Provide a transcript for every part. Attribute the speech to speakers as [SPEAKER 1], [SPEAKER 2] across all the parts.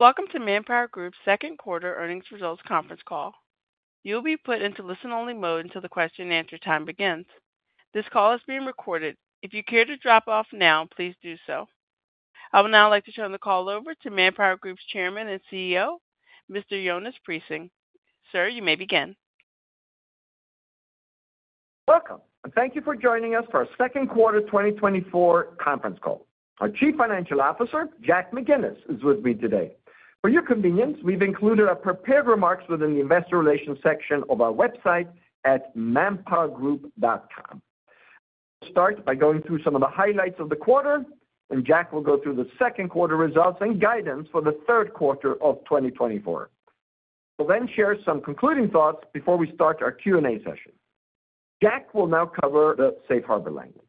[SPEAKER 1] Welcome to ManpowerGroup's second quarter earnings results conference call. You'll be put into listen-only mode until the question-and-answer time begins. This call is being recorded. If you care to drop off now, please do so. I would now like to turn the call over to ManpowerGroup's Chairman and CEO, Mr. Jonas Prising. Sir, you may begin.
[SPEAKER 2] Welcome, and thank you for joining us for our second quarter 2024 conference call. Our Chief Financial Officer, Jack McGinnis, is with me today. For your convenience, we've included our prepared remarks within the investor relations section of our website at ManpowerGroup.com. I'll start by going through some of the highlights of the quarter, and Jack will go through the second quarter results and guidance for the third quarter of 2024. We'll then share some concluding thoughts before we start our Q&A session. Jack will now cover the Safe Harbor language.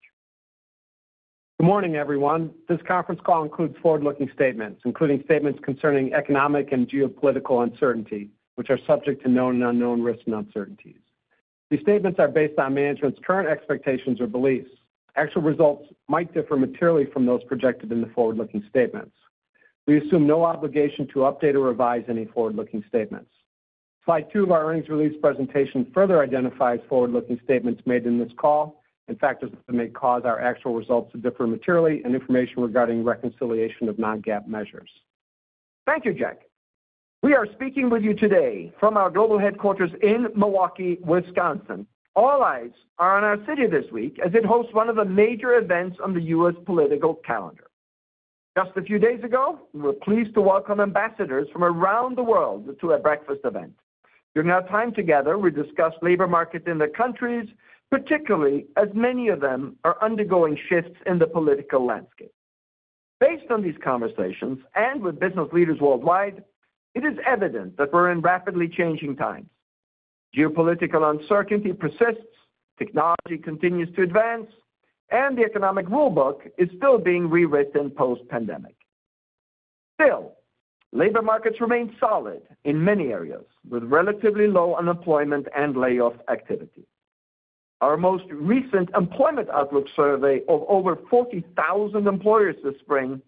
[SPEAKER 3] Good morning, everyone. This conference call includes forward-looking statements, including statements concerning economic and geopolitical uncertainty, which are subject to known and unknown risks and uncertainties. These statements are based on management's current expectations or beliefs. Actual results might differ materially from those projected in the forward-looking statements. We assume no obligation to update or revise any forward-looking statements. Slide two of our earnings release presentation further identifies forward-looking statements made in this call, and factors that may cause our actual results to differ materially and information regarding reconciliation of non-GAAP measures.
[SPEAKER 2] Thank you, Jack. We are speaking with you today from our global headquarters in Milwaukee, Wisconsin. All eyes are on our city this week as it hosts one of the major events on the U.S. political calendar. Just a few days ago, we were pleased to welcome ambassadors from around the world to a breakfast event. During our time together, we discussed labor markets in their countries, particularly as many of them are undergoing shifts in the political landscape. Based on these conversations, and with business leaders worldwide, it is evident that we're in rapidly changing times. Geopolitical uncertainty persists, technology continues to advance, and the economic rulebook is still being rewritten post-pandemic. Still, labor markets remain solid in many areas, with relatively low unemployment and layoff activity. Our most recent employment outlook survey of over 40,000 employers this spring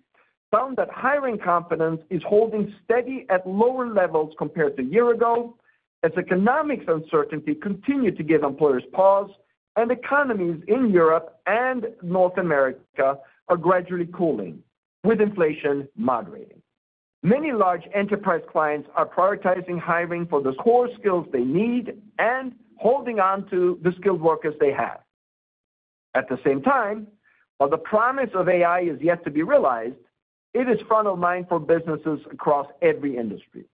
[SPEAKER 2] found that hiring confidence is holding steady at lower levels compared to a year ago, as economic uncertainty continue to give employers pause, and economies in Europe and North America are gradually cooling, with inflation moderating. Many large enterprise clients are prioritizing hiring for the core skills they need and holding on to the skilled workers they have. At the same time, while the promise of AI is yet to be realized, it is front of mind for businesses across every industry.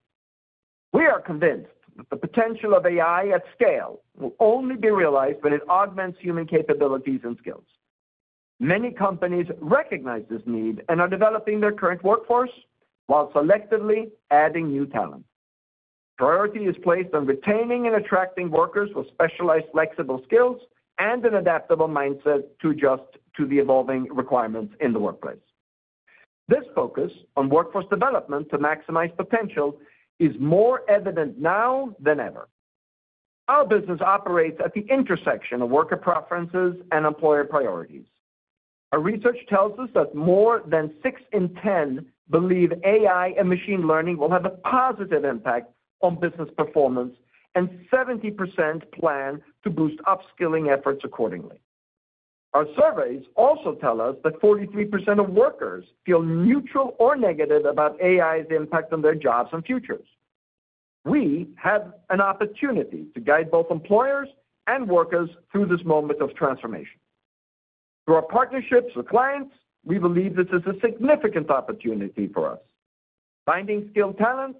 [SPEAKER 2] We are convinced that the potential of AI at scale will only be realized when it augments human capabilities and skills. Many companies recognize this need and are developing their current workforce while selectively adding new talent. Priority is placed on retaining and attracting workers with specialized, flexible skills and an adaptable mindset to adjust to the evolving requirements in the workplace. This focus on workforce development to maximize potential is more evident now than ever. Our business operates at the intersection of worker preferences and employer priorities. Our research tells us that more than 6 in 10 believe AI and machine learning will have a positive impact on business performance, and 70% plan to boost upskilling efforts accordingly. Our surveys also tell us that 43% of workers feel neutral or negative about AI's impact on their jobs and futures. We have an opportunity to guide both employers and workers through this moment of transformation. Through our partnerships with clients, we believe this is a significant opportunity for us, finding skilled talent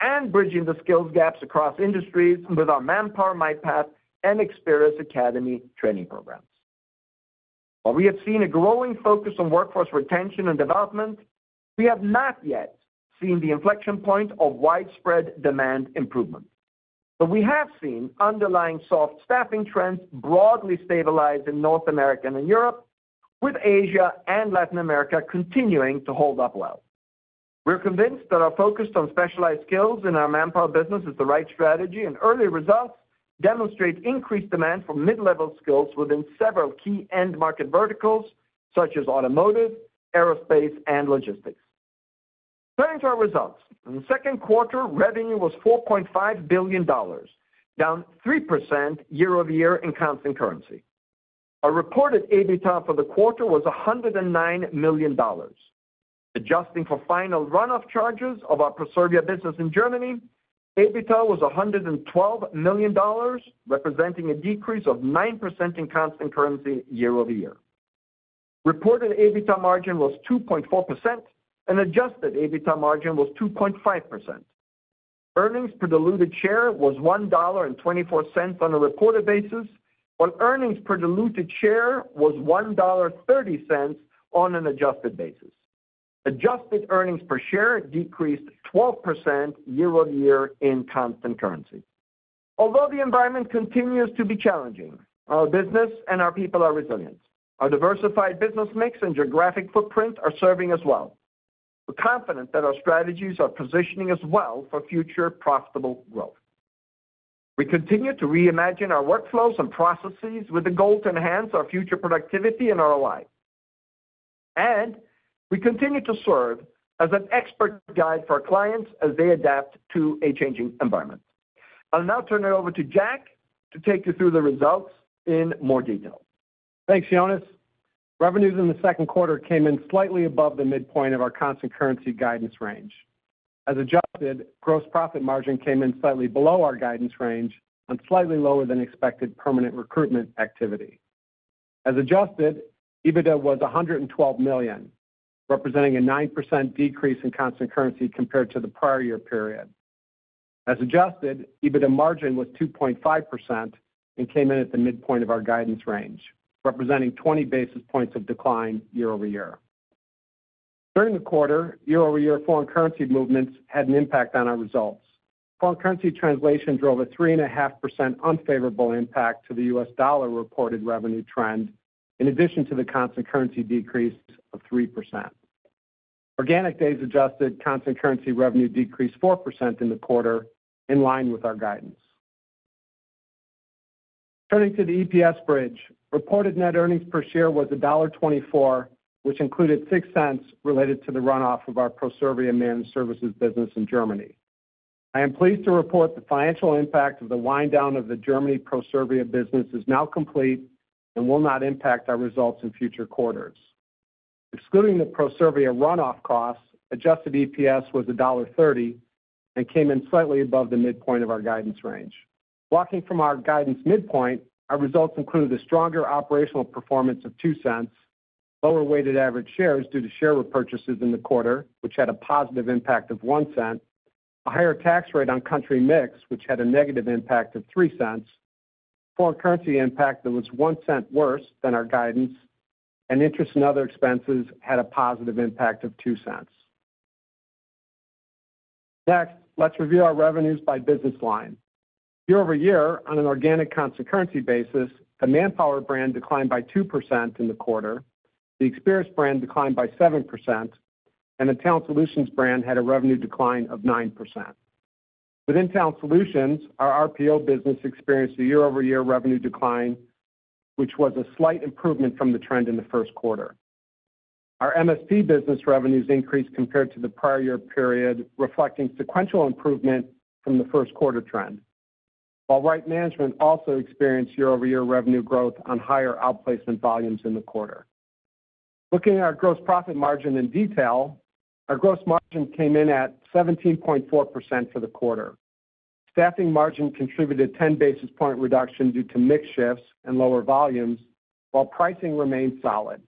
[SPEAKER 2] and bridging the skills gaps across industries with our Manpower MyPath and Experis Academy training programs. While we have seen a growing focus on workforce retention and development, we have not yet seen the inflection point of widespread demand improvement. But we have seen underlying soft staffing trends broadly stabilized in North America and in Europe, with Asia and Latin America continuing to hold up well. We're convinced that our focus on specialized skills in our Manpower business is the right strategy, and early results demonstrate increased demand for mid-level skills within several key end-market verticals, such as automotive, aerospace, and logistics. Turning to our results. In the second quarter, revenue was $4.5 billion, down 3% year-over-year in constant currency. Our reported EBITDA for the quarter was $109 million. Adjusting for final run-off charges of our Proservia business in Germany, EBITDA was $112 million, representing a decrease of 9% in constant currency year-over-year. Reported EBITDA margin was 2.4%, and adjusted EBITDA margin was 2.5%. Earnings per diluted share was $1.24 on a reported basis, while earnings per diluted share was $1.30 on an adjusted basis. Adjusted earnings per share decreased 12% year-over-year in constant currency. Although the environment continues to be challenging, our business and our people are resilient. Our diversified business mix and geographic footprint are serving us well. We're confident that our strategies are positioning us well for future profitable growth. We continue to reimagine our workflows and processes with the goal to enhance our future productivity and ROI. We continue to serve as an expert guide for our clients as they adapt to a changing environment. I'll now turn it over to Jack to take you through the results in more detail.
[SPEAKER 3] Thanks, Jonas. Revenues in the second quarter came in slightly above the midpoint of our constant currency guidance range. As adjusted, gross profit margin came in slightly below our guidance range on slightly lower than expected permanent recruitment activity. As adjusted, EBITDA was $112 million, representing a 9% decrease in constant currency compared to the prior year period. As adjusted, EBITDA margin was 2.5% and came in at the midpoint of our guidance range, representing 20 basis points of decline year-over-year. During the quarter, year-over-year foreign currency movements had an impact on our results. Foreign currency translation drove a 3.5% unfavorable impact to the US dollar reported revenue trend, in addition to the constant currency decrease of 3%. Organic days adjusted constant currency revenue decreased 4% in the quarter, in line with our guidance. Turning to the EPS bridge, reported net earnings per share was $1.24, which included $0.06 related to the runoff of our Proservia Managed Services business in Germany. I am pleased to report the financial impact of the wind down of the Germany Proservia business is now complete and will not impact our results in future quarters. Excluding the Proservia runoff costs, adjusted EPS was $1.30 and came in slightly above the midpoint of our guidance range. Walking from our guidance midpoint, our results included a stronger operational performance of $0.02, lower weighted average shares due to share repurchases in the quarter, which had a positive impact of $0.01, a higher tax rate on country mix, which had a negative impact of $0.03, foreign currency impact that was $0.01 worse than our guidance, and interest and other expenses had a positive impact of $0.02. Next, let's review our revenues by business line. Year-over-year, on an organic constant currency basis, the Manpower brand declined by 2% in the quarter, the Experis brand declined by 7%, and the Talent Solutions brand had a revenue decline of 9%. Within Talent Solutions, our RPO business experienced a year-over-year revenue decline, which was a slight improvement from the trend in the first quarter. Our MSP business revenues increased compared to the prior year period, reflecting sequential improvement from the first quarter trend, while Right Management also experienced year-over-year revenue growth on higher outplacement volumes in the quarter. Looking at our gross profit margin in detail, our gross margin came in at 17.4% for the quarter. Staffing margin contributed 10 basis point reduction due to mix shifts and lower volumes, while pricing remained solid.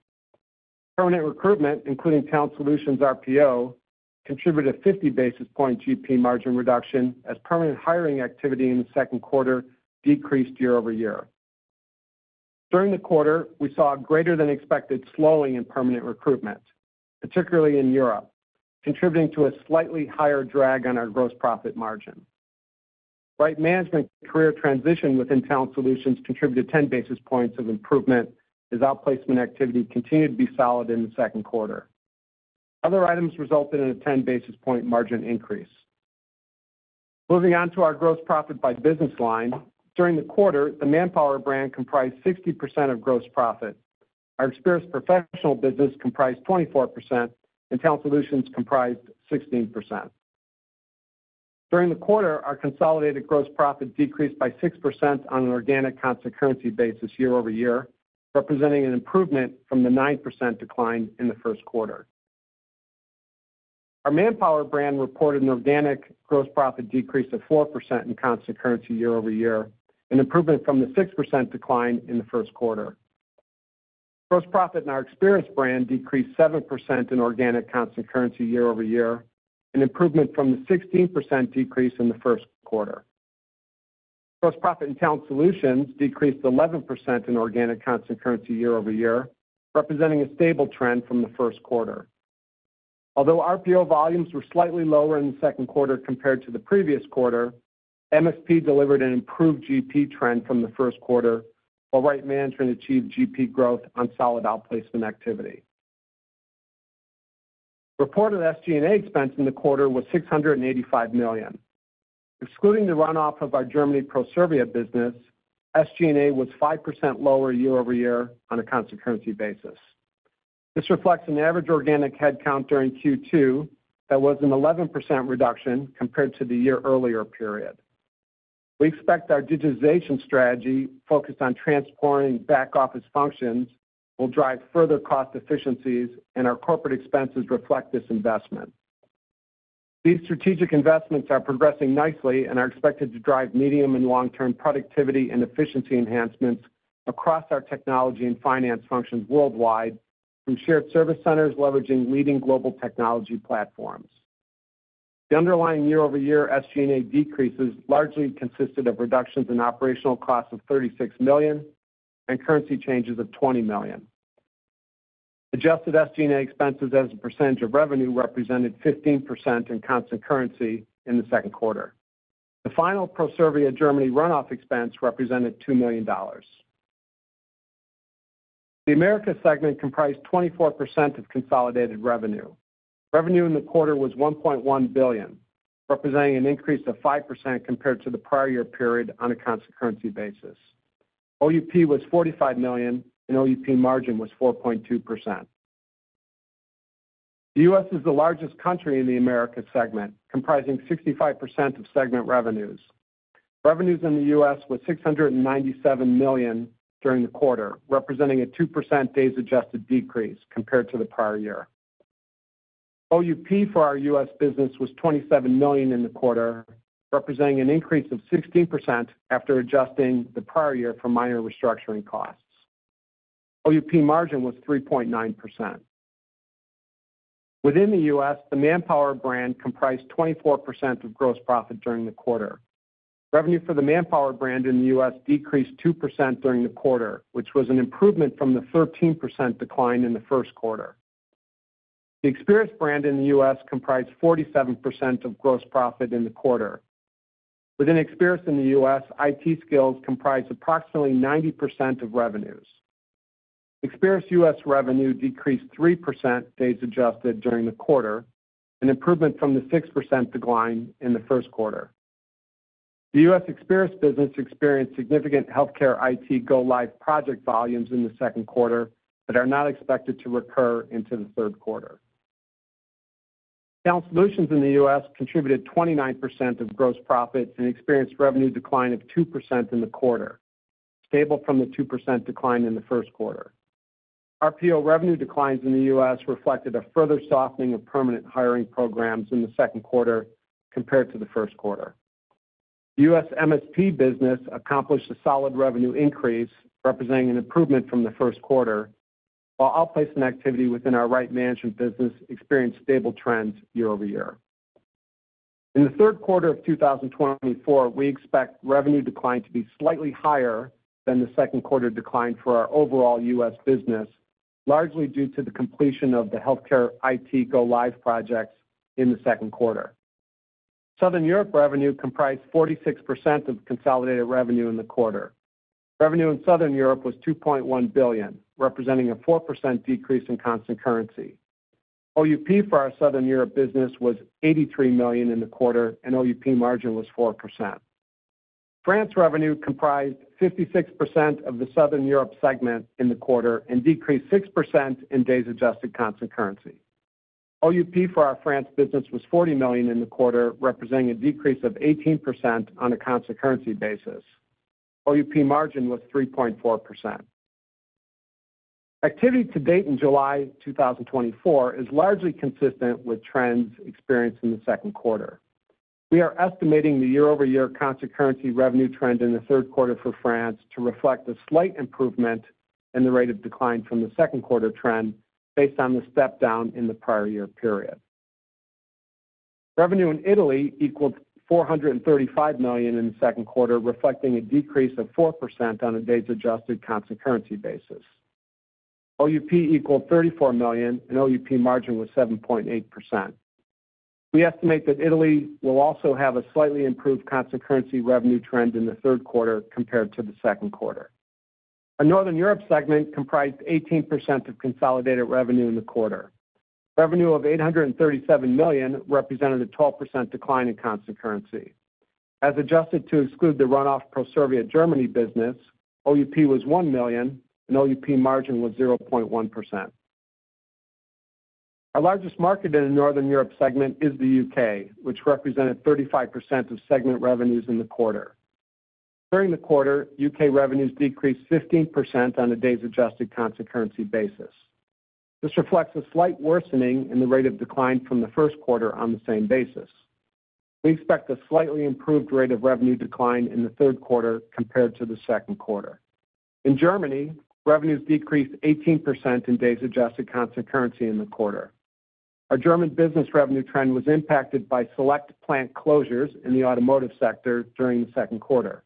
[SPEAKER 3] Permanent recruitment, including Talent Solutions RPO, contributed a 50 basis point GP margin reduction as permanent hiring activity in the second quarter decreased year over year. During the quarter, we saw a greater than expected slowing in permanent recruitment, particularly in Europe, contributing to a slightly higher drag on our gross profit margin. Right Management career transition within Talent Solutions contributed 10 basis points of improvement as outplacement activity continued to be solid in the second quarter. Other items resulted in a 10 basis points margin increase. Moving on to our gross profit by business line. During the quarter, the Manpower brand comprised 60% of gross profit. Our Experis professional business comprised 24%, and Talent Solutions comprised 16%. During the quarter, our consolidated gross profit decreased by 6% on an organic constant currency basis year over year, representing an improvement from the 9% decline in the first quarter. Our Manpower brand reported an organic gross profit decrease of 4% in constant currency year over year, an improvement from the 6% decline in the first quarter. Gross profit in our Experis brand decreased 7% in organic constant currency year over year, an improvement from the 16% decrease in the first quarter. Gross profit in Talent Solutions decreased 11% in organic constant currency year-over-year, representing a stable trend from the first quarter. Although RPO volumes were slightly lower in the second quarter compared to the previous quarter, MSP delivered an improved GP trend from the first quarter, while Right Management achieved GP growth on solid outplacement activity. Reported SG&A expense in the quarter was $685 million. Excluding the run-off of our Germany Proservia business, SG&A was 5% lower year-over-year on a constant currency basis. This reflects an average organic headcount during Q2 that was an 11% reduction compared to the year earlier period. We expect our digitization strategy, focused on transforming back-office functions, will drive further cost efficiencies, and our corporate expenses reflect this investment. These strategic investments are progressing nicely and are expected to drive medium and long-term productivity and efficiency enhancements across our technology and finance functions worldwide, from shared service centers leveraging leading global technology platforms. The underlying year-over-year SG&A decreases largely consisted of reductions in operational costs of $36 million and currency changes of $20 million. Adjusted SG&A expenses as a percentage of revenue represented 15% in constant currency in the second quarter. The final Proservia Germany runoff expense represented $2 million. The Americas segment comprised 24% of consolidated revenue. Revenue in the quarter was $1.1 billion, representing an increase of 5% compared to the prior year period on a constant currency basis. OUP was $45 million, and OUP margin was 4.2%. The US is the largest country in the Americas segment, comprising 65% of segment revenues. Revenues in the US were $697 million during the quarter, representing a 2% days adjusted decrease compared to the prior year. OUP for our US business was $27 million in the quarter, representing an increase of 16% after adjusting the prior year for minor restructuring costs. OUP margin was 3.9%. Within the US, the Manpower brand comprised 24% of gross profit during the quarter. Revenue for the Manpower brand in the US decreased 2% during the quarter, which was an improvement from the 13% decline in the first quarter. The Experis brand in the US comprised 47% of gross profit in the quarter. Within Experis in the US, IT Skills comprised approximately 90% of revenues. Experis US revenue decreased 3%, days adjusted during the quarter, an improvement from the 6% decline in the first quarter. The U.S. Experis business experienced significant healthcare IT go-live project volumes in the second quarter that are not expected to recur into the third quarter. Talent Solutions in the U.S. contributed 29% of gross profit and experienced revenue decline of 2% in the quarter, stable from the 2% decline in the first quarter. RPO revenue declines in the U.S. reflected a further softening of permanent hiring programs in the second quarter compared to the first quarter. The U.S. MSP business accomplished a solid revenue increase, representing an improvement from the first quarter, while outplacement activity within our Right Management business experienced stable trends year-over-year. In the third quarter of 2024, we expect revenue decline to be slightly higher than the second quarter decline for our overall U.S. business, largely due to the completion of the healthcare IT go-live projects in the second quarter. Southern Europe revenue comprised 46% of consolidated revenue in the quarter. Revenue in Southern Europe was $2.1 billion, representing a 4% decrease in constant currency. OUP for our Southern Europe business was $83 million in the quarter, and OUP margin was 4%. France revenue comprised 56% of the Southern Europe segment in the quarter and decreased 6% in days adjusted constant currency. OUP for our France business was $40 million in the quarter, representing a decrease of 18% on a constant currency basis. OUP margin was 3.4%. Activity to date in July 2024 is largely consistent with trends experienced in the second quarter. We are estimating the year-over-year constant currency revenue trend in the third quarter for France to reflect a slight improvement in the rate of decline from the second quarter trend, based on the step down in the prior year period. Revenue in Italy equaled $435 million in the second quarter, reflecting a decrease of 4% on a days adjusted constant currency basis. OUP equaled $34 million, and OUP margin was 7.8%. We estimate that Italy will also have a slightly improved constant currency revenue trend in the third quarter compared to the second quarter. Our Northern Europe segment comprised 18% of consolidated revenue in the quarter. Revenue of $837 million represented a 12% decline in constant currency. As adjusted to exclude the run-off Proservia Germany business, OUP was $1 million, and OUP margin was 0.1%. Our largest market in the Northern Europe segment is the UK, which represented 35% of segment revenues in the quarter. During the quarter, UK revenues decreased 15% on a days adjusted constant currency basis. This reflects a slight worsening in the rate of decline from the first quarter on the same basis. We expect a slightly improved rate of revenue decline in the third quarter compared to the second quarter. In Germany, revenues decreased 18% in days adjusted constant currency in the quarter. Our German business revenue trend was impacted by select plant closures in the automotive sector during the second quarter.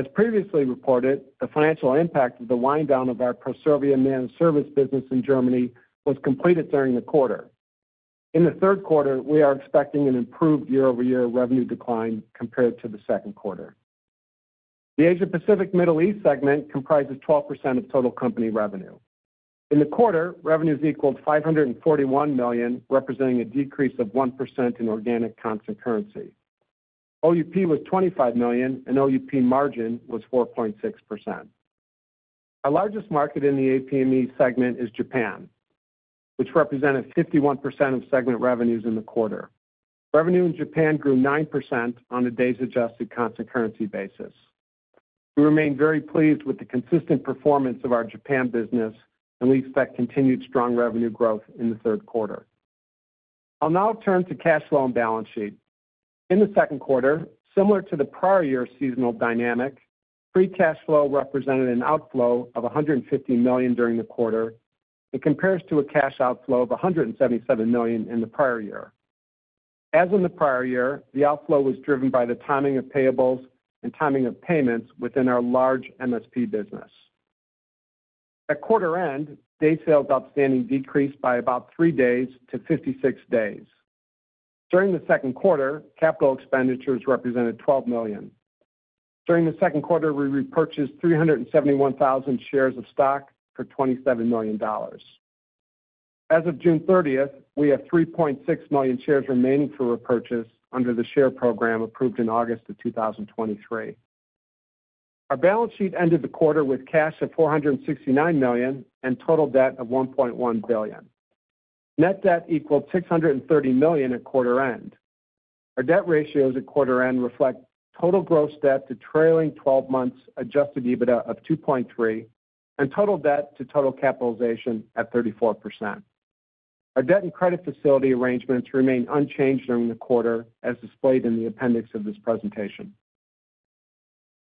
[SPEAKER 3] As previously reported, the financial impact of the wind-down of our Proservia managed service business in Germany was completed during the quarter. In the third quarter, we are expecting an improved year-over-year revenue decline compared to the second quarter. The Asia Pacific Middle East segment comprises 12% of total company revenue. In the quarter, revenues equaled $541 million, representing a decrease of 1% in organic constant currency. OUP was $25 million, and OUP margin was 4.6%. Our largest market in the APME segment is Japan, which represented 51% of segment revenues in the quarter. Revenue in Japan grew 9% on a days adjusted constant currency basis. We remain very pleased with the consistent performance of our Japan business, and we expect continued strong revenue growth in the third quarter. I'll now turn to cash flow and balance sheet. In the second quarter, similar to the prior year seasonal dynamic, free cash flow represented an outflow of $150 million during the quarter. It compares to a cash outflow of $177 million in the prior year. As in the prior year, the outflow was driven by the timing of payables and timing of payments within our large MSP business. At quarter end, day sales outstanding decreased by about 3 days to 56 days. During the second quarter, capital expenditures represented $12 million. During the second second quarter, we repurchased 371,000 shares of stock for $27 million. As of June 30, we have 3.6 million shares remaining for repurchase under the share program approved in August 2023. Our balance sheet ended the quarter with cash of $469 million and total debt of $1.1 billion. Net debt equaled $630 million at quarter end. Our debt ratios at quarter end reflect total gross debt to trailing twelve months Adjusted EBITDA of 2.3, and total debt to total capitalization at 34%. Our debt and credit facility arrangements remain unchanged during the quarter, as displayed in the appendix of this presentation.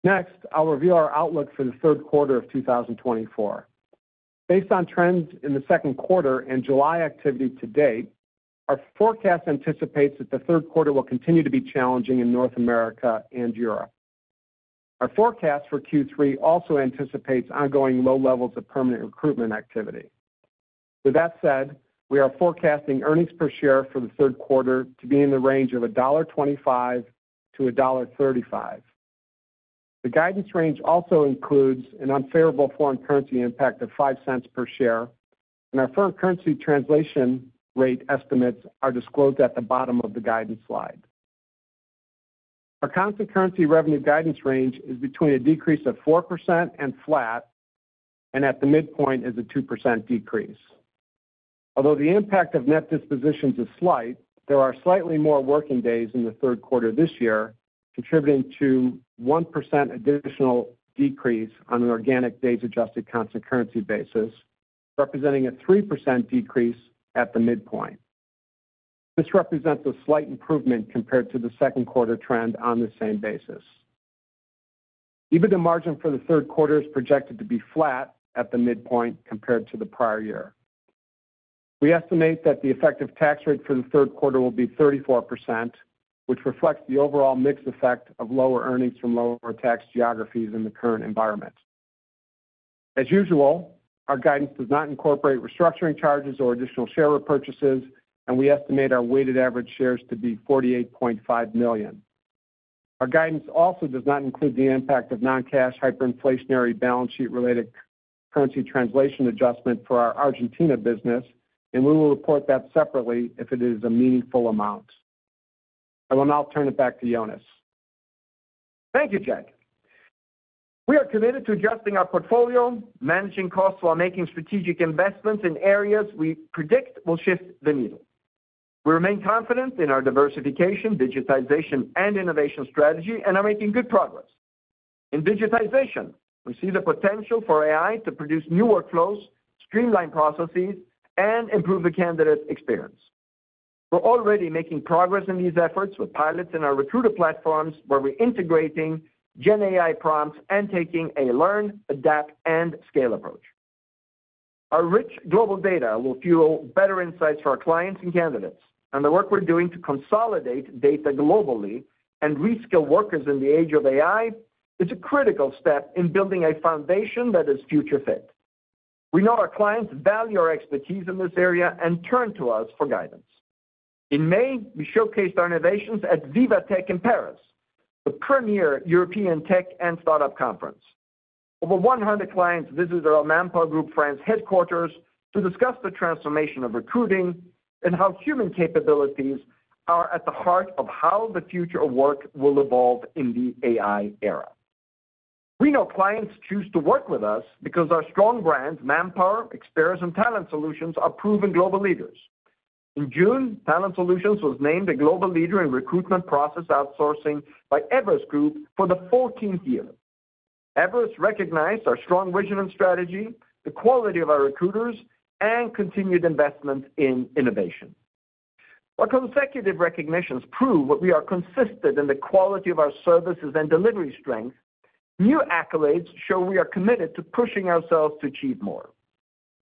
[SPEAKER 3] Next, I'll review our outlook for the third quarter of 2024. Based on trends in the second quarter and July activity to date, our forecast anticipates that the third quarter will continue to be challenging in North America and Europe. Our forecast for Q3 also anticipates ongoing low levels of permanent recruitment activity. With that said, we are forecasting earnings per share for the third quarter to be in the range of $1.25-$1.35. The guidance range also includes an unfavorable foreign currency impact of $0.05 per share, and our foreign currency translation rate estimates are disclosed at the bottom of the guidance slide. Our constant currency revenue guidance range is between a decrease of 4% and flat, and at the midpoint is a 2% decrease. Although the impact of net dispositions is slight, there are slightly more working days in the third quarter this year, contributing to 1% additional decrease on an organic days-adjusted constant currency basis, representing a 3% decrease at the midpoint. This represents a slight improvement compared to the second quarter trend on the same basis. EBITDA margin for the third quarter is projected to be flat at the midpoint compared to the prior year. We estimate that the effective tax rate for the third quarter will be 34%, which reflects the overall mix effect of lower earnings from lower tax geographies in the current environment. As usual, our guidance does not incorporate restructuring charges or additional share repurchases, and we estimate our weighted average shares to be 48.5 million. Our guidance also does not include the impact of non-cash, hyperinflationary, balance sheet-related currency translation adjustment for our Argentina business, and we will report that separately if it is a meaningful amount. I will now turn it back to Jonas.
[SPEAKER 2] Thank you, Jack. We are committed to adjusting our portfolio, managing costs, while making strategic investments in areas we predict will shift the needle. We remain confident in our diversification, digitization, and innovation strategy, and are making good progress. In digitization, we see the potential for AI to produce new workflows, streamline processes, and improve the candidate experience. We're already making progress in these efforts with pilots in our recruiter platforms, where we're integrating GenAI prompts and taking a learn, adapt, and scale approach. Our rich global data will fuel better insights for our clients and candidates, and the work we're doing to consolidate data globally and reskill workers in the age of AI is a critical step in building a foundation that is future fit. We know our clients value our expertise in this area and turn to us for guidance. In May, we showcased our innovations at Viva Technology in Paris, the premier European tech and startup conference. Over 100 clients visited our ManpowerGroup France headquarters to discuss the transformation of recruiting and how human capabilities are at the heart of how the future of work will evolve in the AI era. We know clients choose to work with us because our strong brands, Manpower, Experis, and Talent Solutions, are proven global leaders. In June, Talent Solutions was named a global leader in recruitment process outsourcing by Everest Group for the fourteenth year. Everest recognized our strong vision and strategy, the quality of our recruiters, and continued investment in innovation. While consecutive recognitions prove that we are consistent in the quality of our services and delivery strength, new accolades show we are committed to pushing ourselves to achieve more.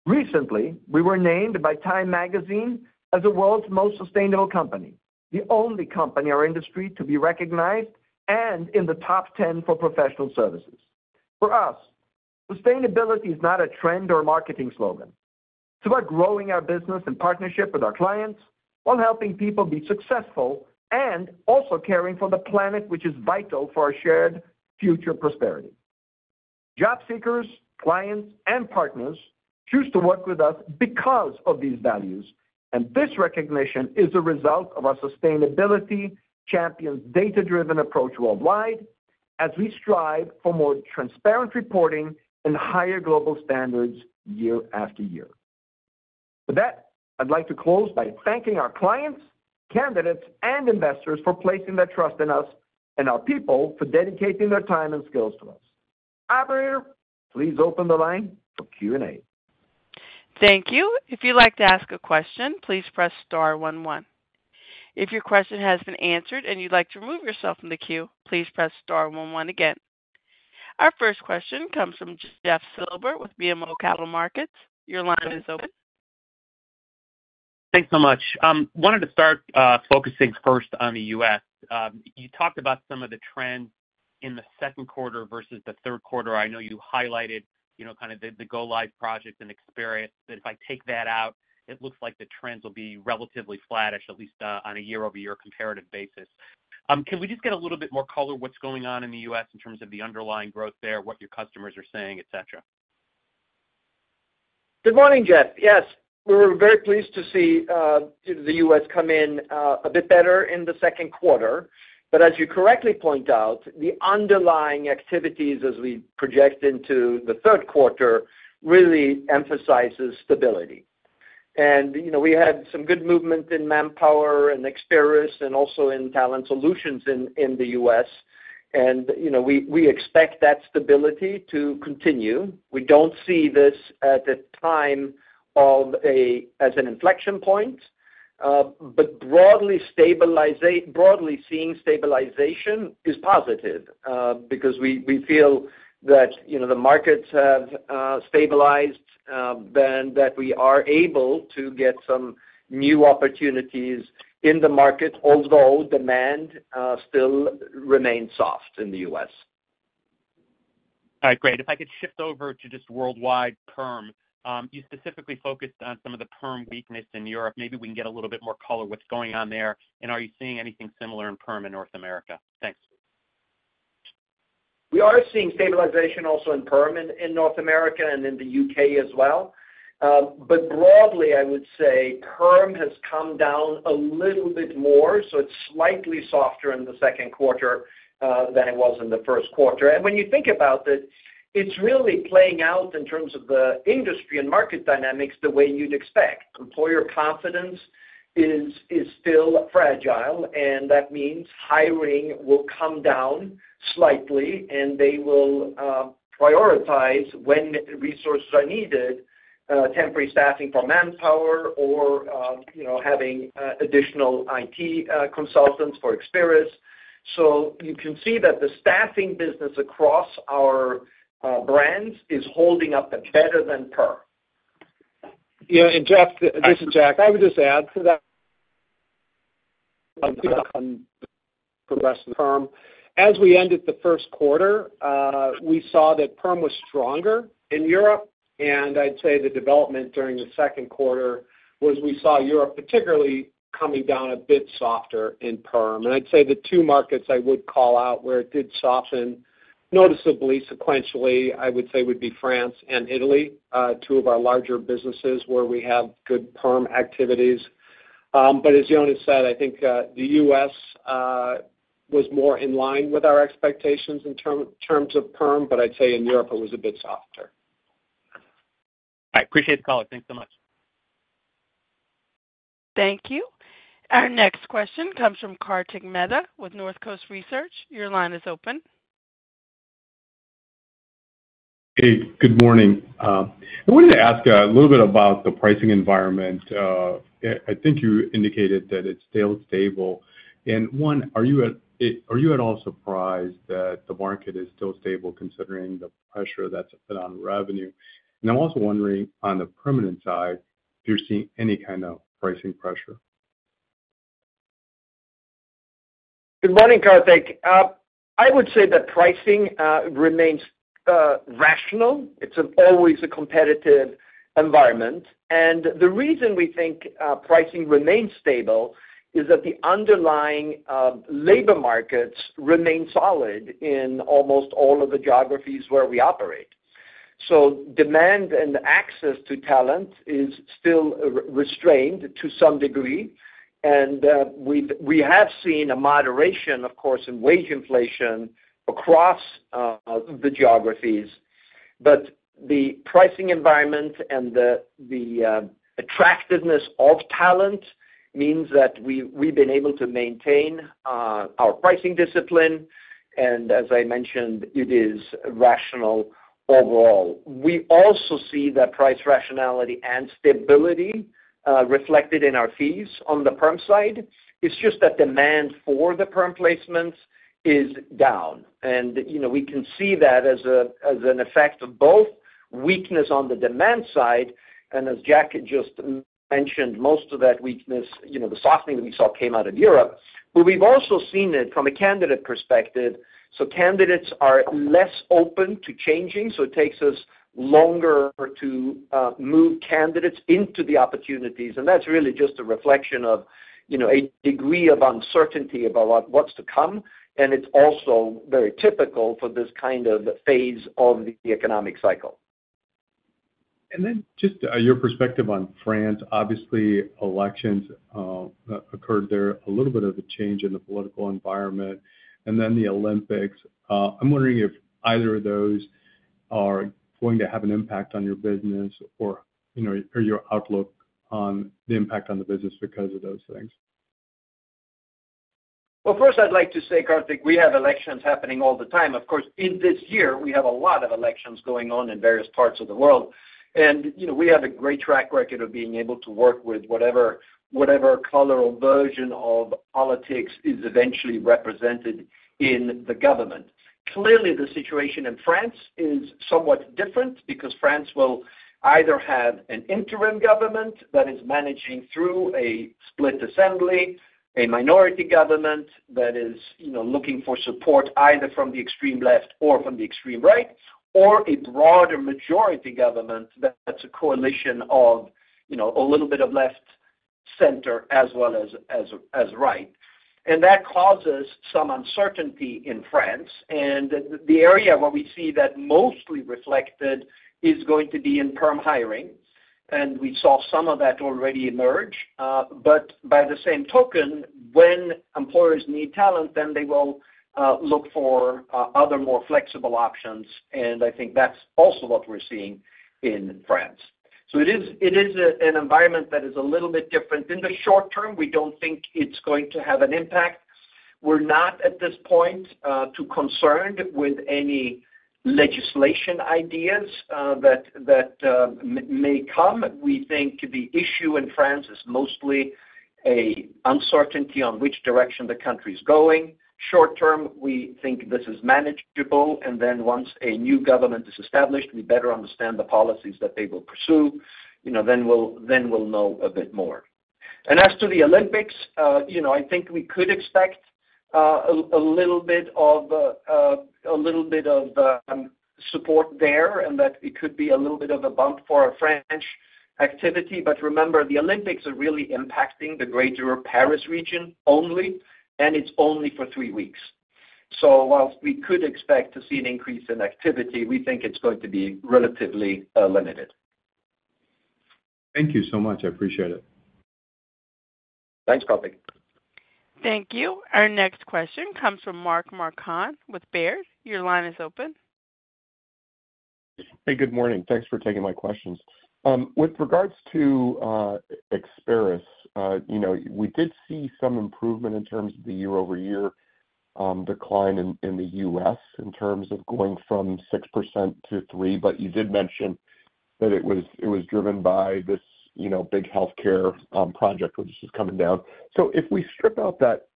[SPEAKER 2] Recently, we were named by Time magazine as the world's most sustainable company, the only company or industry to be recognized and in the top ten for professional services. For us, sustainability is not a trend or a marketing slogan. It's about growing our business in partnership with our clients, while helping people be successful and also caring for the planet, which is vital for our shared future prosperity. Job seekers, clients, and partners choose to work with us because of these values, and this recognition is a result of our sustainability champions' data-driven approach worldwide, as we strive for more transparent reporting and higher global standards year after year. With that, I'd like to close by thanking our clients, candidates, and investors for placing their trust in us and our people for dedicating their time and skills to us. Operator, please open the line for Q&A.
[SPEAKER 1] Thank you. If you'd like to ask a question, please press star one one. If your question has been answered and you'd like to remove yourself from the queue, please press star one one again. Our first question comes from Jeff Silber with BMO Capital Markets. Your line is open.
[SPEAKER 4] Thanks so much. Wanted to start focusing first on the U.S. You talked about some of the trends in the second quarter versus the third quarter. I know you highlighted, you know, kind of the go live project and experience. But if I take that out, it looks like the trends will be relatively flattish, at least on a year-over-year comparative basis. Can we just get a little bit more color what's going on in the U.S. in terms of the underlying growth there, what your customers are saying, et cetera?
[SPEAKER 2] Good morning, Jeff. Yes, we're very pleased to see the U.S. come in a bit better in the second quarter. But as you correctly point out, the underlying activities as we project into the third quarter really emphasizes stability. And, you know, we had some good movement in Manpower and Experis and also in Talent Solutions in the U.S. And, you know, we expect that stability to continue. We don't see this at the time of a as an inflection point, but broadly seeing stabilization is positive, because we feel that, you know, the markets have stabilized then that we are able to get some new opportunities in the market, although demand still remains soft in the U.S.
[SPEAKER 4] All right, great. If I could shift over to just worldwide perm. You specifically focused on some of the perm weakness in Europe. Maybe we can get a little bit more color on what's going on there, and are you seeing anything similar in perm in North America? Thanks.
[SPEAKER 2] We are seeing stabilization also in perm in North America and in the UK as well. But broadly, I would say, perm has come down a little bit more, so it's slightly softer in the second quarter than it was in the first quarter. When you think about it, it's really playing out in terms of the industry and market dynamics the way you'd expect. Employer confidence is still fragile, and that means hiring will come down slightly, and they will prioritize when resources are needed temporary staffing for Manpower or, you know, having additional IT consultants for Experis. So you can see that the staffing business across our brands is holding up better than perm.
[SPEAKER 3] Yeah, and Jeff, this is Jack. I would just add to that. As we ended the first quarter, we saw that perm was stronger in Europe, and I'd say the development during the second quarter was we saw Europe, particularly coming down a bit softer in perm. And I'd say the two markets I would call out where it did soften noticeably, sequentially, I would say would be France and Italy, two of our larger businesses where we have good perm activities. But as Jonas said, I think the US was more in line with our expectations in terms of perm, but I'd say in Europe, it was a bit softer.
[SPEAKER 4] I appreciate the call. Thanks so much.
[SPEAKER 1] Thank you. Our next question comes from Kartik Mehta with Northcoast Research. Your line is open.
[SPEAKER 5] Hey, good morning. I wanted to ask a little bit about the pricing environment. I think you indicated that it's still stable. And, are you at all surprised that the market is still stable considering the pressure that's been on revenue? And I'm also wondering on the permanent side, if you're seeing any kind of pricing pressure.
[SPEAKER 2] Good morning, Kartik. I would say that pricing remains rational. It's always a competitive environment, and the reason we think pricing remains stable is that the underlying labor markets remain solid in almost all of the geographies where we operate. So demand and access to talent is still restrained to some degree, and we've seen a moderation, of course, in wage inflation across the geographies. But the pricing environment and the attractiveness of talent means that we've been able to maintain our pricing discipline, and as I mentioned, it is rational overall. We also see that price rationality and stability reflected in our fees on the perm side. It's just that demand for the perm placements is down. You know, we can see that as an effect of both weakness on the demand side, and as Jack just mentioned, most of that weakness, you know, the softening that we saw came out of Europe. But we've also seen it from a candidate perspective, so candidates are less open to changing, so it takes us longer to move candidates into the opportunities. And that's really just a reflection of, you know, a degree of uncertainty about what's to come, and it's also very typical for this kind of phase of the economic cycle.
[SPEAKER 5] And then just, your perspective on France. Obviously, elections occurred there, a little bit of a change in the political environment, and then the Olympics. I'm wondering if either of those are going to have an impact on your business or, you know, or your outlook on the impact on the business because of those things.
[SPEAKER 2] Well, first, I'd like to say, Kartik, we have elections happening all the time. Of course, in this year, we have a lot of elections going on in various parts of the world. And, you know, we have a great track record of being able to work with whatever, whatever color or version of politics is eventually represented in the government. Clearly, the situation in France is somewhat different because France will either have an interim government that is managing through a split assembly, a minority government that is, you know, looking for support either from the extreme left or from the extreme right, or a broader majority government that's a coalition of, you know, a little bit of left,... center as well as, as, as right. And that causes some uncertainty in France. The area where we see that mostly reflected is going to be in perm hiring, and we saw some of that already emerge. But by the same token, when employers need talent, then they will look for other more flexible options, and I think that's also what we're seeing in France. So it is an environment that is a little bit different. In the short term, we don't think it's going to have an impact. We're not, at this point, too concerned with any legislation ideas that may come. We think the issue in France is mostly a uncertainty on which direction the country is going. Short term, we think this is manageable, and then once a new government is established, we better understand the policies that they will pursue, you know, then we'll know a bit more. And as to the Olympics, you know, I think we could expect a little bit of support there, and that it could be a little bit of a bump for our French activity. But remember, the Olympics are really impacting the Greater Paris region only, and it's only for three weeks. So whilst we could expect to see an increase in activity, we think it's going to be relatively limited.
[SPEAKER 5] Thank you so much. I appreciate it.
[SPEAKER 2] Thanks, Kartik.
[SPEAKER 1] Thank you. Our next question comes from Mark Marcon with Baird. Your line is open.
[SPEAKER 6] Hey, good morning. Thanks for taking my questions. With regards to Experis, you know, we did see some improvement in terms of the year-over-year decline in the U.S., in terms of going from 6%-3%. But you did mention that it was driven by this, you know, big healthcare project, which is coming down. So if we strip out that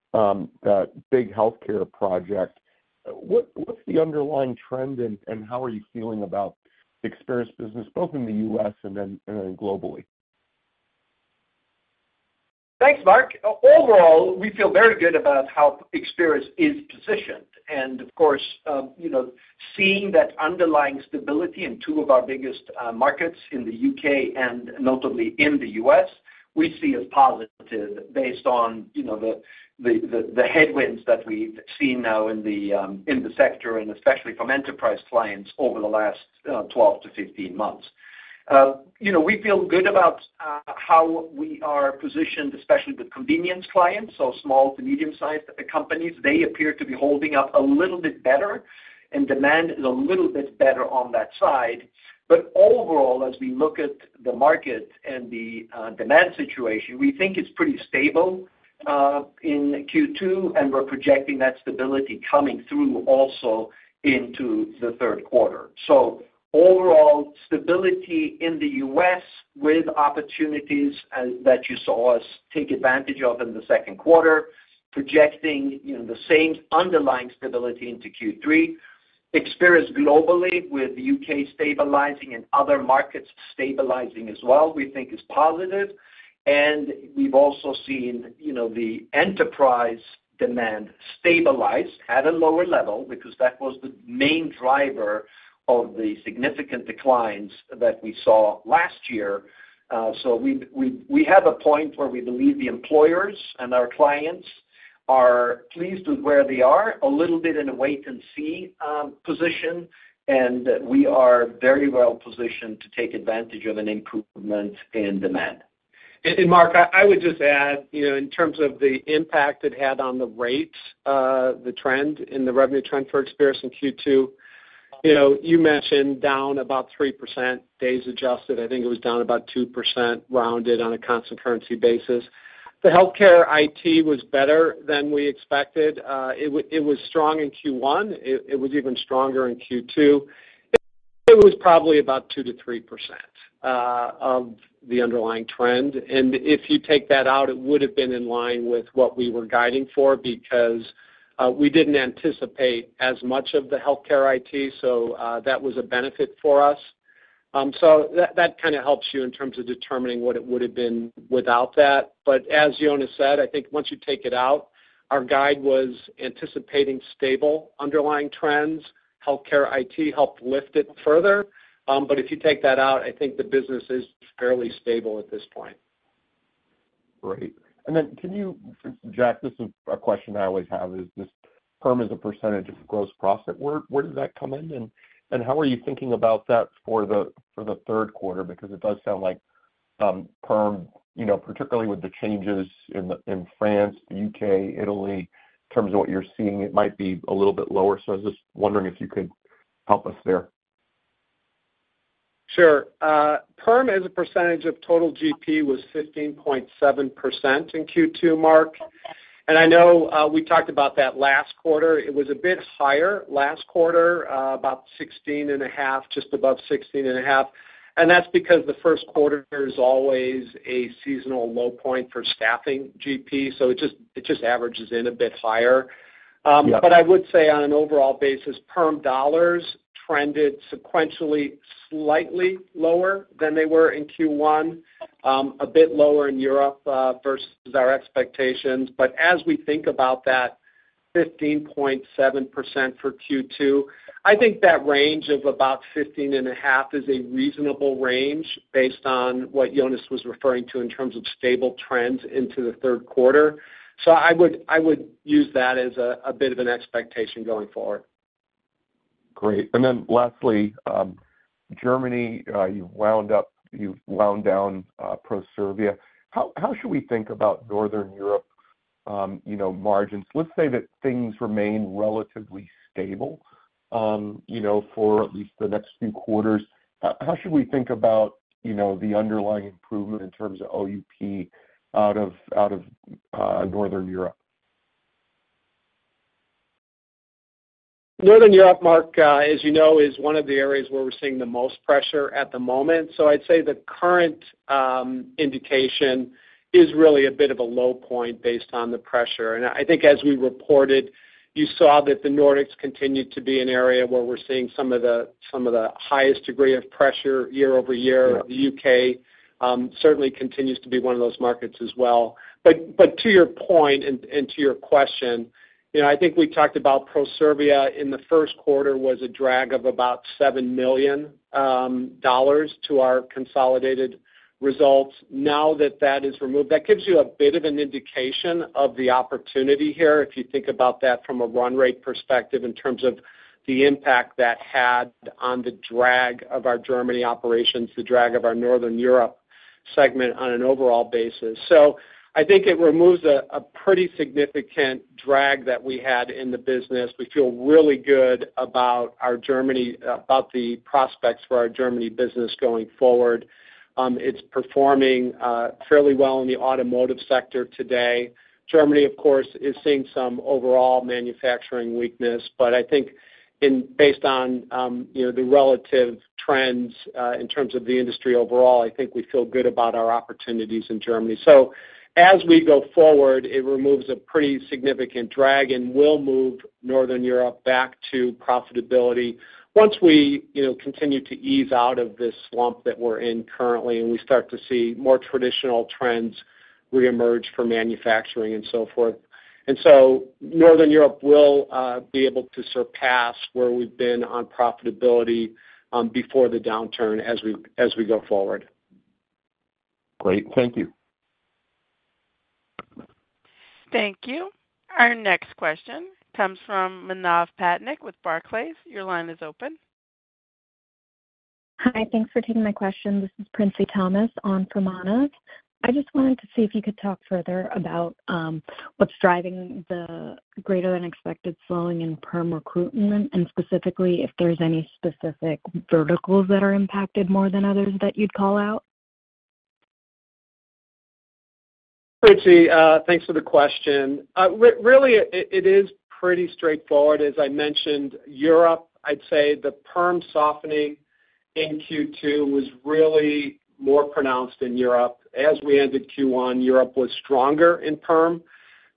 [SPEAKER 6] big healthcare project, what's the underlying trend, and how are you feeling about the Experis business, both in the U.S. and then globally?
[SPEAKER 2] Thanks, Mark. Overall, we feel very good about how Experis is positioned. And of course, you know, seeing that underlying stability in two of our biggest markets in the U.K. and notably in the U.S., we see as positive based on, you know, the headwinds that we've seen now in the sector, and especially from enterprise clients over the last 12-15 months. You know, we feel good about how we are positioned, especially with convenience clients, so small to medium-sized companies. They appear to be holding up a little bit better, and demand is a little bit better on that side. But overall, as we look at the market and the demand situation, we think it's pretty stable in Q2, and we're projecting that stability coming through also into the third quarter. So overall, stability in the U.S. with opportunities that you saw us take advantage of in the second quarter, projecting, you know, the same underlying stability into Q3. Experis globally, with the U.K. stabilizing and other markets stabilizing as well, we think is positive. And we've also seen, you know, the enterprise demand stabilize at a lower level because that was the main driver of the significant declines that we saw last year. So we have a point where we believe the employers and our clients are pleased with where they are, a little bit in a wait and see position, and we are very well positioned to take advantage of an improvement in demand.
[SPEAKER 3] Mark, I would just add, you know, in terms of the impact it had on the rates, the trend, in the revenue trend for Experis in Q2, you know, you mentioned down about 3%, days adjusted. I think it was down about 2%, rounded on a constant currency basis. The healthcare IT was better than we expected. It was strong in Q1. It was even stronger in Q2. It was probably about 2%-3% of the underlying trend. And if you take that out, it would have been in line with what we were guiding for, because we didn't anticipate as much of the healthcare IT, so that was a benefit for us. So that kind of helps you in terms of determining what it would have been without that. But as Jonas said, I think once you take it out, our guide was anticipating stable underlying trends. Healthcare IT helped lift it further, but if you take that out, I think the business is fairly stable at this point.
[SPEAKER 6] Great. Then can you, Jack, this is a question I always have, is this perm as a percentage of gross profit, where does that come in? And how are you thinking about that for the third quarter? Because it does sound like perm, you know, particularly with the changes in France, the U.K., Italy, in terms of what you're seeing, it might be a little bit lower. I was just wondering if you could help us there.
[SPEAKER 3] Sure. Perm as a percentage of total GP was 15.7% in Q2, Mark. And I know, we talked about that last quarter. It was a bit higher last quarter, about 16.5, just above 16.5, and that's because the first quarter, there's always a seasonal low point for staffing GP, so it just, it just averages in a bit higher. But I would say on an overall basis, perm dollars trended sequentially, slightly lower than they were in Q1, a bit lower in Europe, versus our expectations. But as we think about that, 15.7% for Q2. I think that range of about 15.5 is a reasonable range based on what Jonas was referring to in terms of stable trends into the third quarter. I would use that as a bit of an expectation going forward.
[SPEAKER 6] Great. And then lastly, Germany, you wound up—you wound down Proservia. How should we think about Northern Europe, you know, margins? Let's say that things remain relatively stable, you know, for at least the next few quarters. How should we think about, you know, the underlying improvement in terms of OUP out of Northern Europe?
[SPEAKER 3] Northern Europe, Mark, as you know, is one of the areas where we're seeing the most pressure at the moment. So I'd say the current, indication is really a bit of a low point based on the pressure. And I think as we reported, you saw that the Nordics continued to be an area where we're seeing some of the, some of the highest degree of pressure year over year.
[SPEAKER 6] Yeah.
[SPEAKER 3] The UK certainly continues to be one of those markets as well. But, but to your point and, and to your question, you know, I think we talked about Proservia in the first quarter, was a drag of about $7 million to our consolidated results. Now that that is removed, that gives you a bit of an indication of the opportunity here, if you think about that from a run rate perspective, in terms of the impact that had on the drag of our Germany operations, the drag of our Northern Europe segment on an overall basis. So I think it removes a, a pretty significant drag that we had in the business. We feel really good about our Germany about the prospects for our Germany business going forward. It's performing fairly well in the automotive sector today. Germany, of course, is seeing some overall manufacturing weakness, but I think in, based on, you know, the relative trends, in terms of the industry overall, I think we feel good about our opportunities in Germany. So as we go forward, it removes a pretty significant drag, and we'll move Northern Europe back to profitability. Once we, you know, continue to ease out of this slump that we're in currently, and we start to see more traditional trends reemerge for manufacturing and so forth. And so Northern Europe will be able to surpass where we've been on profitability, before the downturn as we, as we go forward.
[SPEAKER 6] Great. Thank you.
[SPEAKER 1] Thank you. Our next question comes from Manav Patnaik with Barclays. Your line is open.
[SPEAKER 7] Hi, thanks for taking my question. This is Princy Thomas on for Manav. I just wanted to see if you could talk further about what's driving the greater-than-expected slowing in perm recruitment, and specifically, if there's any specific verticals that are impacted more than others that you'd call out?
[SPEAKER 3] Princy, thanks for the question. Really, it is pretty straightforward. As I mentioned, Europe, I'd say the perm softening in Q2 was really more pronounced in Europe. As we ended Q1, Europe was stronger in perm,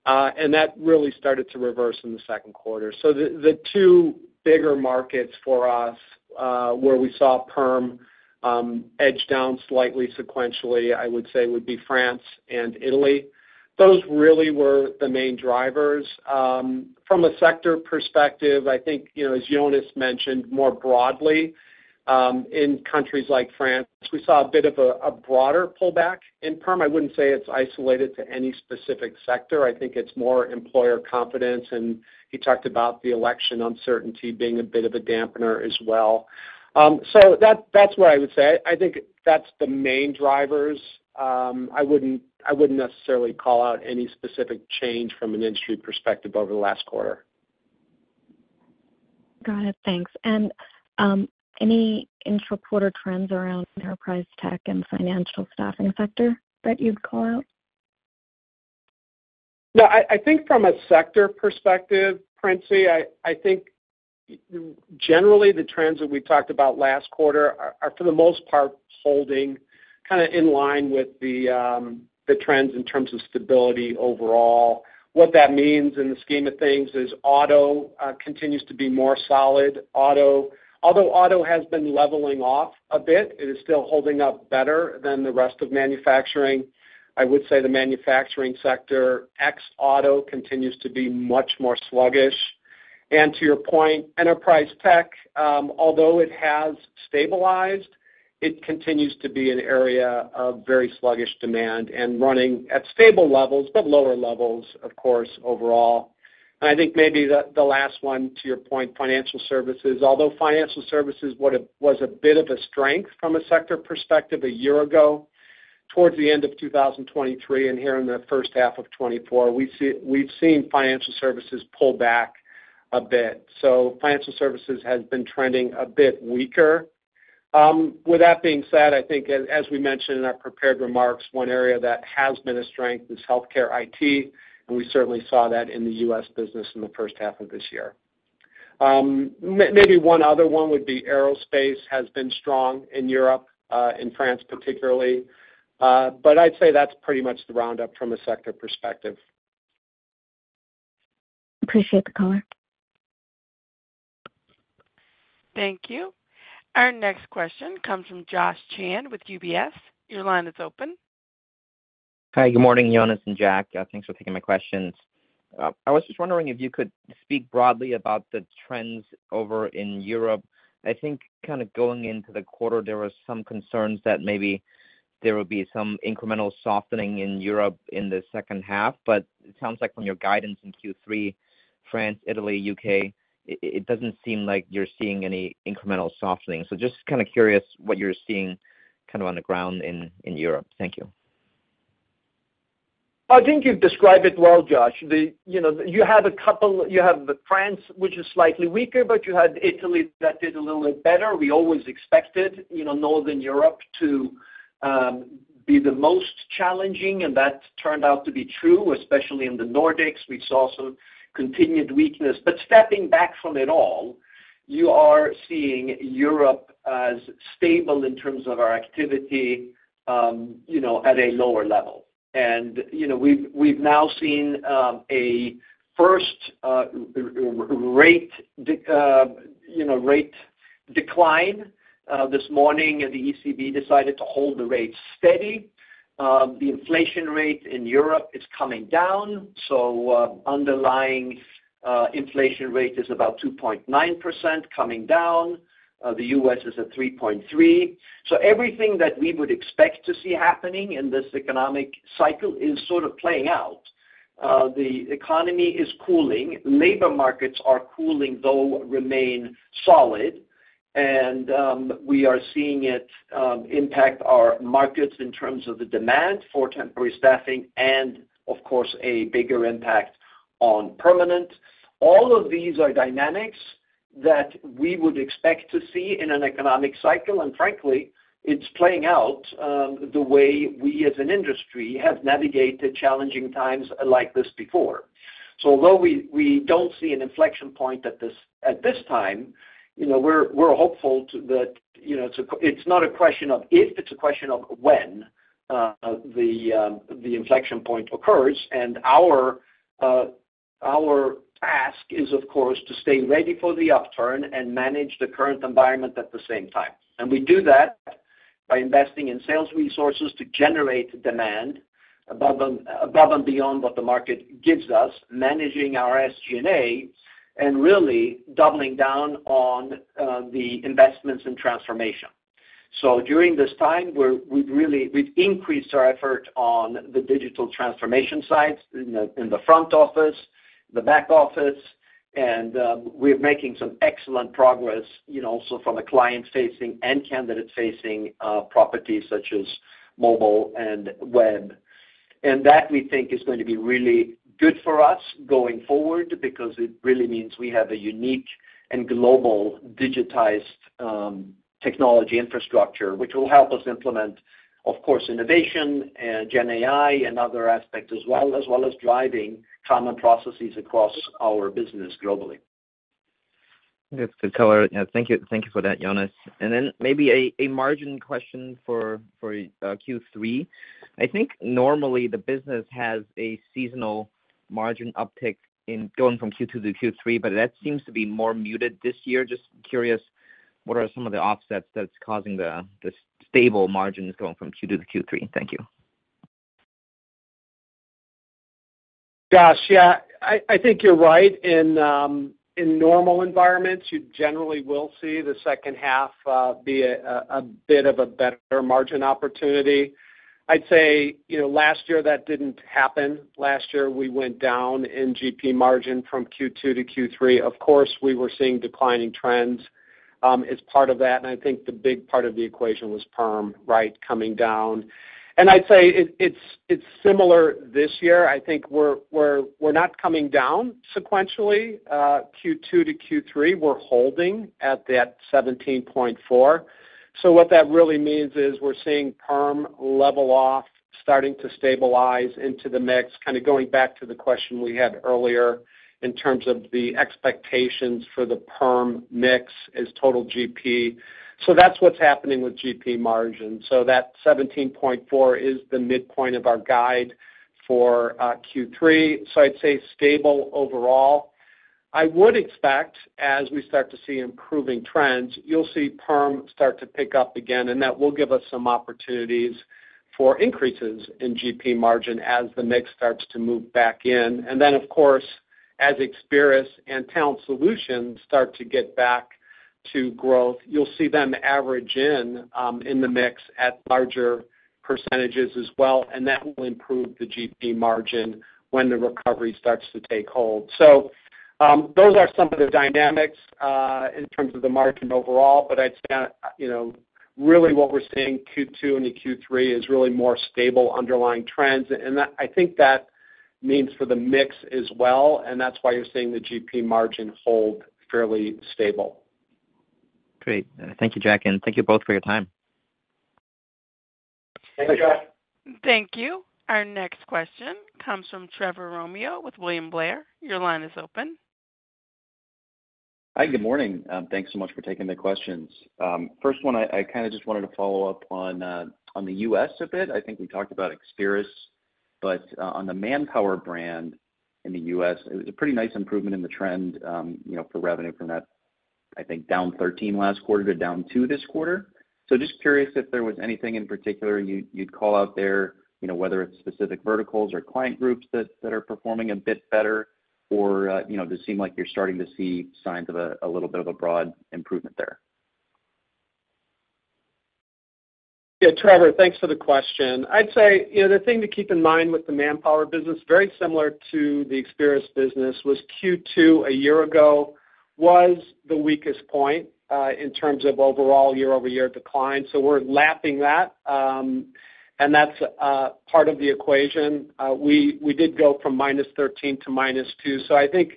[SPEAKER 3] and that really started to reverse in the second quarter. So the two bigger markets for us, where we saw perm edge down slightly sequentially, I would say would be France and Italy. Those really were the main drivers. From a sector perspective, I think, you know, as Jonas mentioned, more broadly, in countries like France, we saw a bit of a broader pullback in perm. I wouldn't say it's isolated to any specific sector. I think it's more employer confidence, and he talked about the election uncertainty being a bit of a dampener as well. So that's what I would say. I think that's the main drivers. I wouldn't necessarily call out any specific change from an industry perspective over the last quarter.
[SPEAKER 7] Got it. Thanks. And, any intra-quarter trends around enterprise tech and financial staffing sector that you'd call out?
[SPEAKER 3] No, I think from a sector perspective, Princy, I think generally the trends that we talked about last quarter are, for the most part, holding kind of in line with the trends in terms of stability overall. What that means in the scheme of things is auto continues to be more solid. Auto, although auto has been leveling off a bit, it is still holding up better than the rest of manufacturing. I would say the manufacturing sector, ex auto, continues to be much more sluggish. And to your point, enterprise tech, although it has stabilized, it continues to be an area of very sluggish demand and running at stable levels, but lower levels, of course, overall. And I think maybe the last one, to your point, financial services. Although financial services would have... Was a bit of a strength from a sector perspective a year ago, towards the end of 2023 and here in the first half of 2024, we've seen financial services pull back a bit. So financial services has been trending a bit weaker. With that being said, I think as, as we mentioned in our prepared remarks, one area that has been a strength is healthcare IT, and we certainly saw that in the U.S. business in the first half of this year. Maybe one other one would be aerospace has been strong in Europe, in France particularly. But I'd say that's pretty much the roundup from a sector perspective.
[SPEAKER 7] Appreciate the color.
[SPEAKER 1] Thank you. Our next question comes from Josh Chan with UBS. Your line is open.
[SPEAKER 8] Hi, good morning, Jonas and Jack. Thanks for taking my questions. I was just wondering if you could speak broadly about the trends over in Europe. I think kind of going into the quarter, there were some concerns that maybe there would be some incremental softening in Europe in the second half, but it sounds like from your guidance in Q3, France, Italy, UK, it doesn't seem like you're seeing any incremental softening. So just kind of curious what you're seeing kind of on the ground in Europe. Thank you.
[SPEAKER 2] I think you've described it well, Josh. You know, you have the France, which is slightly weaker, but you had Italy that did a little bit better. We always expected, you know, Northern Europe to be the most challenging, and that turned out to be true, especially in the Nordics. We saw some continued weakness. But stepping back from it all, you are seeing Europe as stable in terms of our activity, you know, at a lower level. And, you know, we've now seen a first rate decline. This morning, the ECB decided to hold the rate steady. The inflation rate in Europe is coming down, so underlying inflation rate is about 2.9%, coming down. The US is at 3.3%. So everything that we would expect to see happening in this economic cycle is sort of playing out. The economy is cooling. Labor markets are cooling, though remain solid, and we are seeing it impact our markets in terms of the demand for temporary staffing and of course, a bigger impact on permanent. All of these are dynamics that we would expect to see in an economic cycle, and frankly, it's playing out the way we as an industry have navigated challenging times like this before. So although we don't see an inflection point at this time, you know, we're hopeful to that, you know, it's not a question of if, it's a question of when the inflection point occurs. Our task is, of course, to stay ready for the upturn and manage the current environment at the same time. And we do that by investing in sales resources to generate demand above and beyond what the market gives us, managing our SG&A, and really doubling down on the investments and transformation. So during this time, we've really increased our effort on the digital transformation side, in the front office, the back office, and we're making some excellent progress, you know, so from a client-facing and candidate-facing properties such as mobile and web. That, we think, is going to be really good for us going forward, because it really means we have a unique and global digitized technology infrastructure, which will help us implement, of course, innovation and GenAI and other aspects as well, as well as driving common processes across our business globally.
[SPEAKER 8] That's clear. Thank you, thank you for that, Jonas. Then maybe a margin question for Q3. I think normally the business has a seasonal margin uptick in going from Q2 to Q3, but that seems to be more muted this year. Just curious, what are some of the offsets that's causing the stable margins going from Q2 to Q3? Thank you.
[SPEAKER 3] Josh, yeah, I think you're right. In normal environments, you generally will see the second half be a bit of a better margin opportunity. I'd say, you know, last year, that didn't happen. Last year, we went down in GP margin from Q2 to Q3. Of course, we were seeing declining trends as part of that, and I think the big part of the equation was perm, right, coming down. And I'd say it's similar this year. I think we're not coming down sequentially Q2 to Q3. We're holding at that 17.4%. So what that really means is we're seeing perm level off, starting to stabilize into the mix, kind of going back to the question we had earlier in terms of the expectations for the perm mix as total GP. So that's what's happening with GP margin. So that 17.4% is the midpoint of our guide for Q3, so I'd say stable overall. I would expect, as we start to see improving trends, you'll see perm start to pick up again, and that will give us some opportunities for increases in GP margin as the mix starts to move back in. And then, of course, as Experis and Talent Solutions start to get back to growth, you'll see them average in, in the mix at larger percentages as well, and that will improve the GP margin when the recovery starts to take hold. So, those are some of the dynamics in terms of the margin overall, but I'd say, you know, really what we're seeing Q2 into Q3 is really more stable underlying trends, and I think that means for the mix as well, and that's why you're seeing the GP margin hold fairly stable.
[SPEAKER 8] Great. Thank you, Jack, and thank you both for your time.
[SPEAKER 2] Thank you, Josh.
[SPEAKER 1] Thank you. Our next question comes from Trevor Romeo with William Blair. Your line is open.
[SPEAKER 9] Hi, good morning. Thanks so much for taking the questions. First one, I kind of just wanted to follow up on the U.S. a bit. I think we talked about Experis, but on the Manpower brand in the U.S., it was a pretty nice improvement in the trend, you know, for revenue from that, I think, down 13 last quarter to down 2 this quarter. So just curious if there was anything in particular you'd call out there, you know, whether it's specific verticals or client groups that are performing a bit better, or, you know, does it seem like you're starting to see signs of a little bit of a broad improvement there?
[SPEAKER 3] Yeah, Trevor, thanks for the question. I'd say, you know, the thing to keep in mind with the Manpower business, very similar to the Experis business, was Q2 a year ago was the weakest point in terms of overall year-over-year decline. So we're lapping that, and that's part of the equation. We did go from -13 to -2. So I think,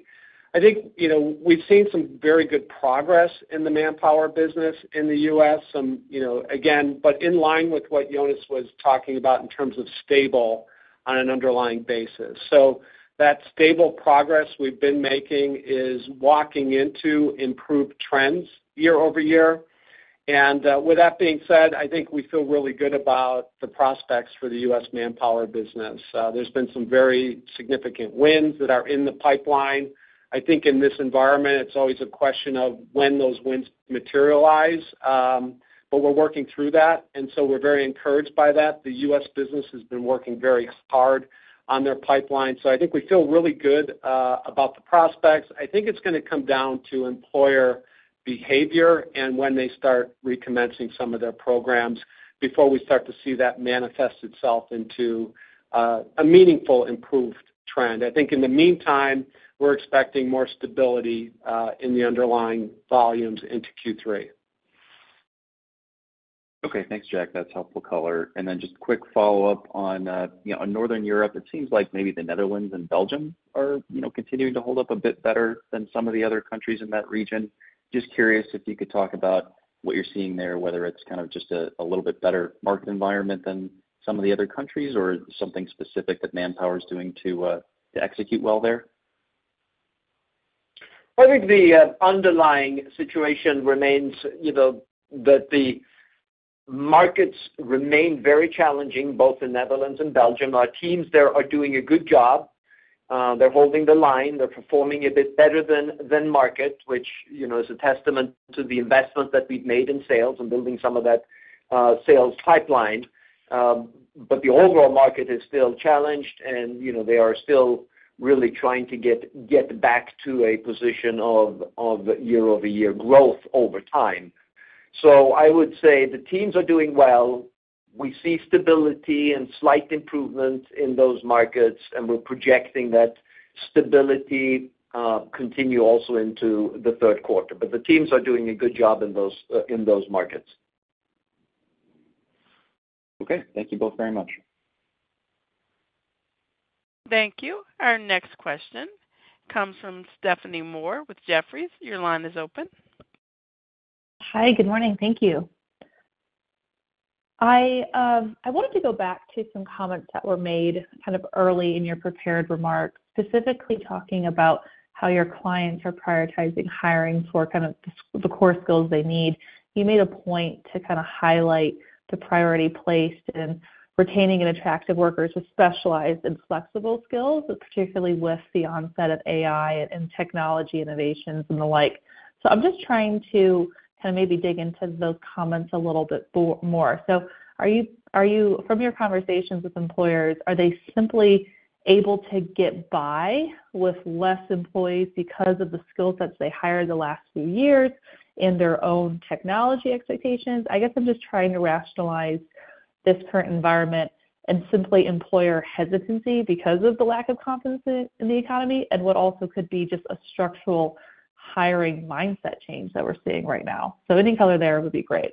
[SPEAKER 3] you know, we've seen some very good progress in the Manpower business in the U.S., some, you know, again, but in line with what Jonas was talking about in terms of stable on an underlying basis. So that stable progress we've been making is walking into improved trends year over year. And with that being said, I think we feel really good about the prospects for the U.S. Manpower business. There's been some very significant wins that are in the pipeline. I think in this environment, it's always a question of when those wins materialize, but we're working through that, and so we're very encouraged by that. The US business has been working very hard on their pipeline, so I think we feel really good about the prospects. I think it's gonna come down to employer behavior and when they start recommencing some of their programs before we start to see that manifest itself into a meaningful, improved trend. I think in the meantime, we're expecting more stability in the underlying volumes into Q3.
[SPEAKER 9] Okay, thanks, Jack. That's helpful color. And then just quick follow-up on, you know, on Northern Europe, it seems like maybe the Netherlands and Belgium are, you know, continuing to hold up a bit better than some of the other countries in that region. Just curious if you could talk about what you're seeing there, whether it's kind of just a little bit better market environment than some of the other countries, or something specific that Manpower is doing to execute well there?
[SPEAKER 2] I think the underlying situation remains, you know, that the markets remain very challenging, both in Netherlands and Belgium. Our teams there are doing a good job. They're holding the line. They're performing a bit better than market, which, you know, is a testament to the investment that we've made in sales and building some of that sales pipeline. But the overall market is still challenged, and, you know, they are still really trying to get back to a position of year-over-year growth over time. So I would say the teams are doing well. We see stability and slight improvement in those markets, and we're projecting that stability continue also into the third quarter. But the teams are doing a good job in those markets.
[SPEAKER 9] Okay. Thank you both very much.
[SPEAKER 1] Thank you. Our next question comes from Stephanie Moore with Jefferies. Your line is open.
[SPEAKER 10] Hi, good morning. Thank you. I wanted to go back to some comments that were made kind of early in your prepared remarks, specifically talking about how your clients are prioritizing hiring for kind of the core skills they need. You made a point to kind of highlight the priority placed in retaining and attracting workers with specialized and flexible skills, particularly with the onset of AI and technology innovations and the like. So I'm just trying to kind of maybe dig into those comments a little bit more. So are you—from your conversations with employers, are they simply able to get by with less employees because of the skill sets they hired the last few years and their own technology expectations? I guess I'm just trying to rationalize this current environment and simply employer hesitancy because of the lack of confidence in, in the economy, and what also could be just a structural hiring mindset change that we're seeing right now. So any color there would be great.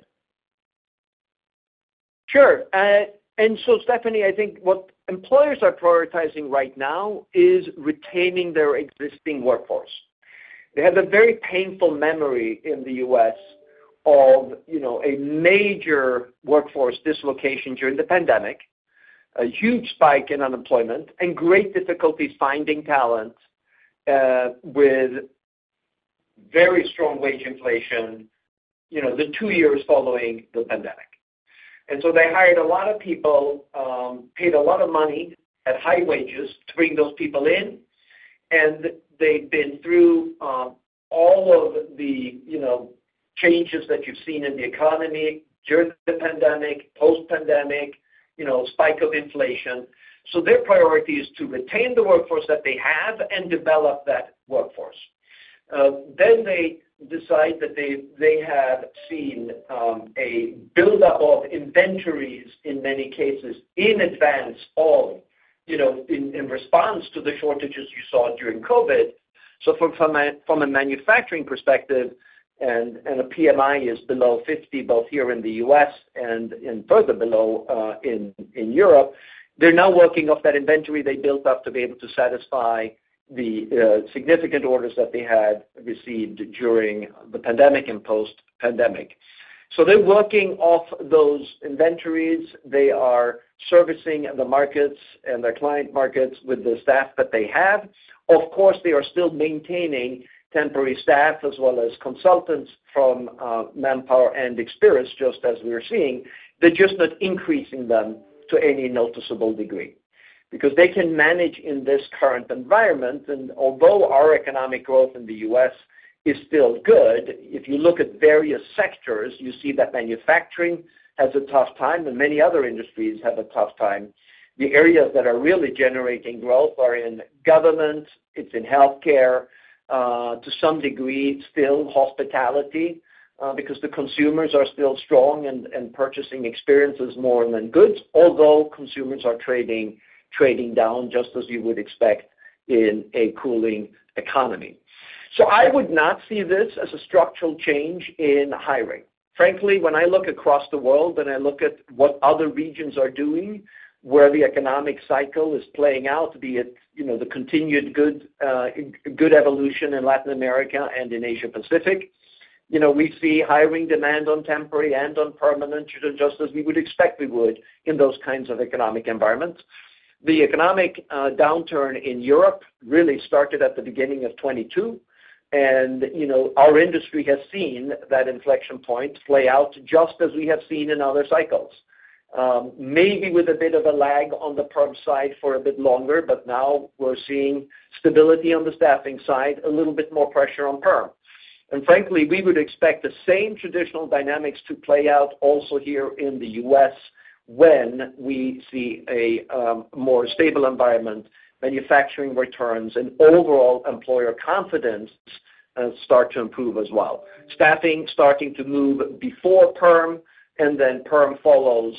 [SPEAKER 2] Sure. And so, Stephanie, I think what employers are prioritizing right now is retaining their existing workforce. They have a very painful memory in the U.S. of, you know, a major workforce dislocation during the pandemic, a huge spike in unemployment, and great difficulties finding talent, with very strong wage inflation, you know, the two years following the pandemic. And so they hired a lot of people, paid a lot of money at high wages to bring those people in, and they've been through all of the, you know, changes that you've seen in the economy during the pandemic, post-pandemic, you know, spike of inflation. So their priority is to retain the workforce that they have and develop that workforce. Then they decide that they have seen a buildup of inventories, in many cases, in advance of, you know, in response to the shortages you saw during COVID. So from a manufacturing perspective, and a PMI is below 50, both here in the U.S. and further below in Europe, they're now working off that inventory they built up to be able to satisfy the significant orders that they had received during the pandemic and post-pandemic. So they're working off those inventories. They are servicing the markets and their client markets with the staff that they have. Of course, they are still maintaining temporary staff as well as consultants from Manpower and Experis, just as we are seeing. They're just not increasing them to any noticeable degree. Because they can manage in this current environment, and although our economic growth in the U.S. is still good, if you look at various sectors, you see that manufacturing has a tough time, and many other industries have a tough time. The areas that are really generating growth are in government, it's in healthcare, to some degree, still hospitality, because the consumers are still strong and, and purchasing experiences more than goods, although consumers are trading, trading down, just as you would expect in a cooling economy. So I would not see this as a structural change in hiring. Frankly, when I look across the world, and I look at what other regions are doing, where the economic cycle is playing out, be it, you know, the continued good, good evolution in Latin America and in Asia Pacific, you know, we see hiring demand on temporary and on permanent, just as we would expect we would in those kinds of economic environments. The economic downturn in Europe really started at the beginning of 2022, and, you know, our industry has seen that inflection point play out just as we have seen in other cycles. Maybe with a bit of a lag on the perm side for a bit longer, but now we're seeing stability on the staffing side, a little bit more pressure on perm. Frankly, we would expect the same traditional dynamics to play out also here in the U.S. when we see a more stable environment, manufacturing returns, and overall employer confidence start to improve as well. Staffing starting to move before perm, and then perm follows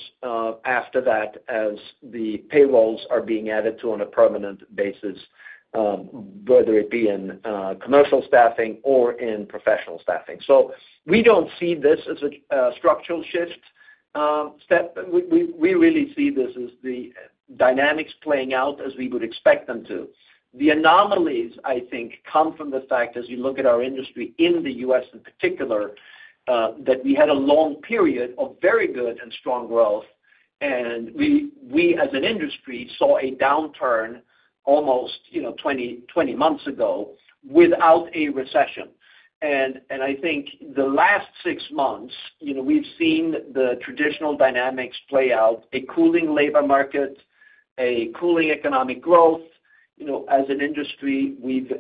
[SPEAKER 2] after that as the payrolls are being added to on a permanent basis, whether it be in commercial staffing or in professional staffing. We don't see this as a structural shift step. We really see this as the dynamics playing out as we would expect them to. The anomalies, I think, come from the fact, as you look at our industry in the U.S. in particular, that we had a long period of very good and strong growth, and we, as an industry, saw a downturn almost, you know, 20-20 months ago without a recession. And I think the last six months, you know, we've seen the traditional dynamics play out, a cooling labor market, a cooling economic growth. You know, as an industry, we've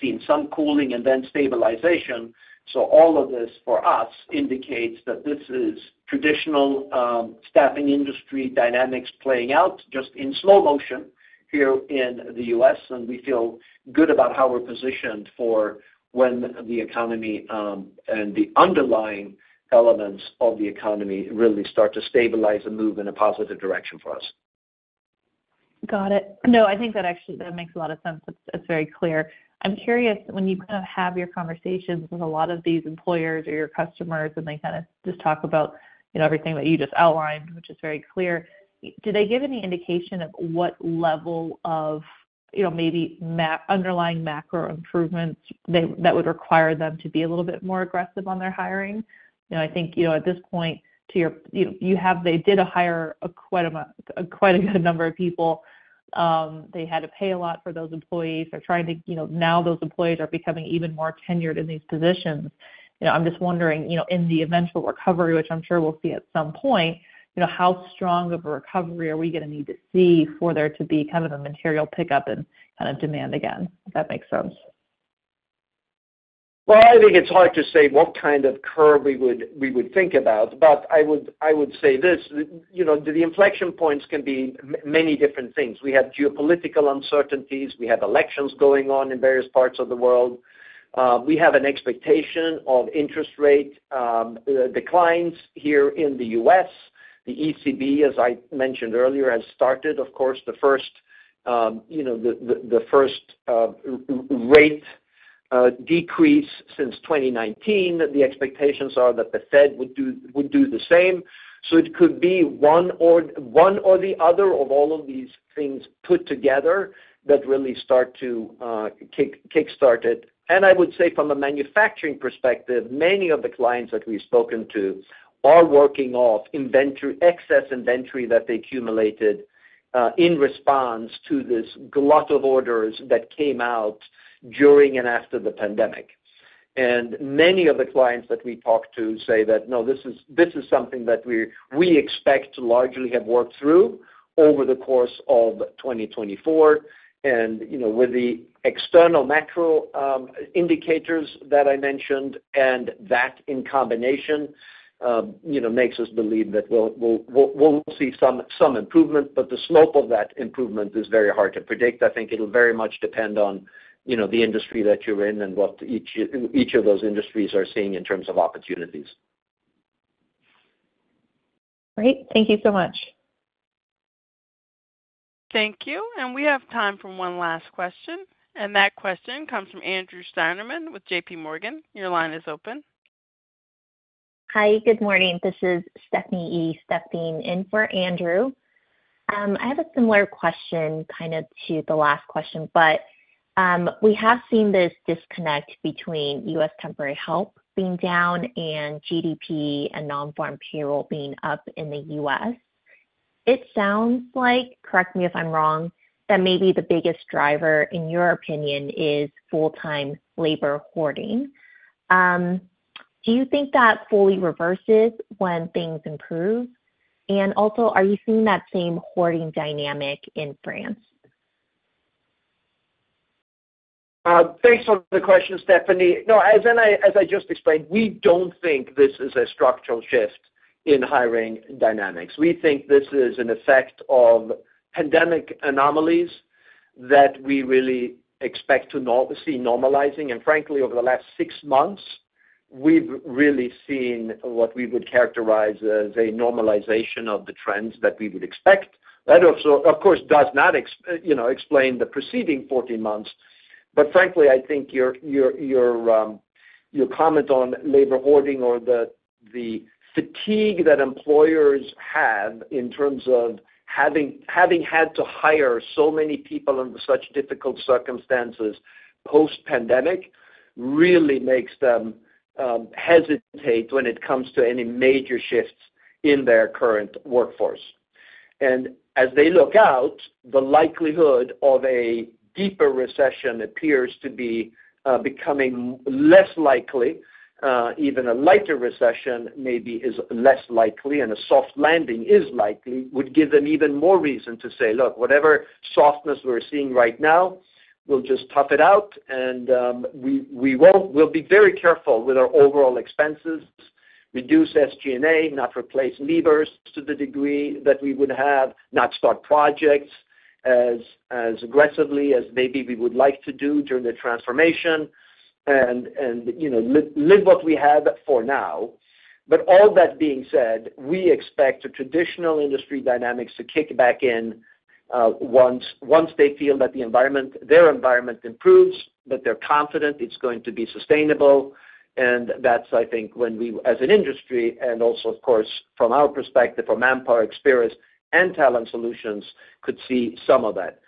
[SPEAKER 2] seen some cooling and then stabilization. So all of this, for us, indicates that this is traditional staffing industry dynamics playing out, just in slow motion here in the U.S., and we feel good about how we're positioned for when the economy and the underlying elements of the economy really start to stabilize and move in a positive direction for us.
[SPEAKER 10] Got it. No, I think that actually, that makes a lot of sense. It's, it's very clear. I'm curious, when you kind of have your conversations with a lot of these employers or your customers, and they kind of just talk about, you know, everything that you just outlined, which is very clear, do they give any indication of what level of, you know, maybe underlying macro improvements they, that would require them to be a little bit more aggressive on their hiring? You know, I think, you know, at this point, to your-- you, you have, they did hire quite a good number of people. They had to pay a lot for those employees. They're trying to, you know, now those employees are becoming even more tenured in these positions. You know, I'm just wondering, you know, in the eventual recovery, which I'm sure we'll see at some point, you know, how strong of a recovery are we going to need to see for there to be kind of a material pickup in, kind of, demand again? If that makes sense.
[SPEAKER 2] Well, I think it's hard to say what kind of curve we would think about, but I would say this, you know, the inflection points can be many different things. We have geopolitical uncertainties. We have elections going on in various parts of the world. We have an expectation of interest rate declines here in the U.S. The ECB, as I mentioned earlier, has started, of course, the first, you know, the first rate decrease since 2019. The expectations are that the Fed would do the same. So it could be one or the other of all of these things put together that really start to kick-start it. I would say from a manufacturing perspective, many of the clients that we've spoken to are working off inventory, excess inventory that they accumulated in response to this glut of orders that came out during and after the pandemic. And many of the clients that we talk to say that, "No, this is, this is something that we, we expect to largely have worked through over the course of 2024." And, you know, with the external macro indicators that I mentioned, and that in combination, you know, makes us believe that we'll, we'll, we'll, we'll see some, some improvement, but the slope of that improvement is very hard to predict. I think it'll very much depend on, you know, the industry that you're in and what each, each of those industries are seeing in terms of opportunities.
[SPEAKER 10] Great. Thank you so much.
[SPEAKER 1] Thank you, and we have time for one last question, and that question comes from Andrew Steinerman with J.P. Morgan. Your line is open.
[SPEAKER 11] Hi, good morning. This is Stephanie Yee stepping in for Andrew Steinerman. I have a similar question kind of to the last question, but, we have seen this disconnect between U.S. temporary help being down and GDP and non-farm payroll being up in the U.S. It sounds like, correct me if I'm wrong, that maybe the biggest driver, in your opinion, is full-time labor hoarding. Do you think that fully reverses when things improve? And also, are you seeing that same hoarding dynamic in France?
[SPEAKER 2] Thanks for the question, Stephanie. No, as I just explained, we don't think this is a structural shift in hiring dynamics. We think this is an effect of pandemic anomalies that we really expect to normalize, and frankly, over the last 6 months, we've really seen what we would characterize as a normalization of the trends that we would expect. That also, of course, does not, you know, explain the preceding 14 months. But frankly, I think your comment on labor hoarding or the fatigue that employers have in terms of having had to hire so many people under such difficult circumstances post-pandemic really makes them hesitate when it comes to any major shifts in their current workforce. As they look out, the likelihood of a deeper recession appears to be becoming less likely, even a lighter recession maybe is less likely, and a soft landing is likely. That would give them even more reason to say: Look, whatever softness we're seeing right now, we'll just tough it out. We won't—we'll be very careful with our overall expenses, reduce SG&A, not replace leavers to the degree that we would have, not start projects as aggressively as maybe we would like to do during the transformation and, you know, live what we have for now. But all that being said, we expect the traditional industry dynamics to kick back in once they feel that the environment, their environment improves, that they're confident it's going to be sustainable. That's, I think, when we, as an industry and also, of course, from our perspective, from ManpowerGroup Experis and Talent Solutions, could see some of that.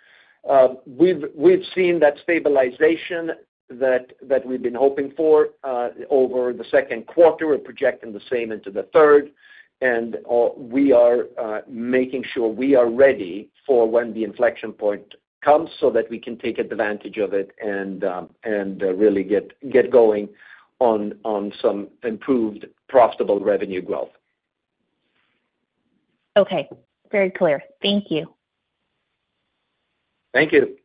[SPEAKER 2] We've seen that stabilization that we've been hoping for, over the second quarter. We're projecting the same into the third, and, we are, making sure we are ready for when the inflection point comes so that we can take advantage of it and, and really get going on some improved profitable revenue growth.
[SPEAKER 11] Okay. Very clear. Thank you.
[SPEAKER 2] Thank you.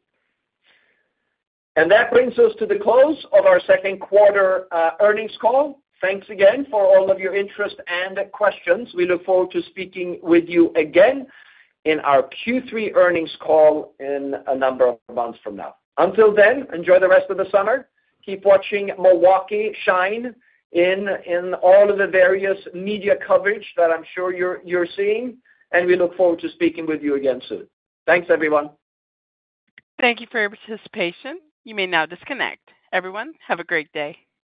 [SPEAKER 2] That brings us to the close of our second quarter earnings call. Thanks again for all of your interest and questions. We look forward to speaking with you again in our Q3 earnings call in a number of months from now. Until then, enjoy the rest of the summer. Keep watching Milwaukee shine in, in all of the various media coverage that I'm sure you're, you're seeing, and we look forward to speaking with you again soon. Thanks, everyone.
[SPEAKER 1] Thank you for your participation. You may now disconnect. Everyone, have a great day.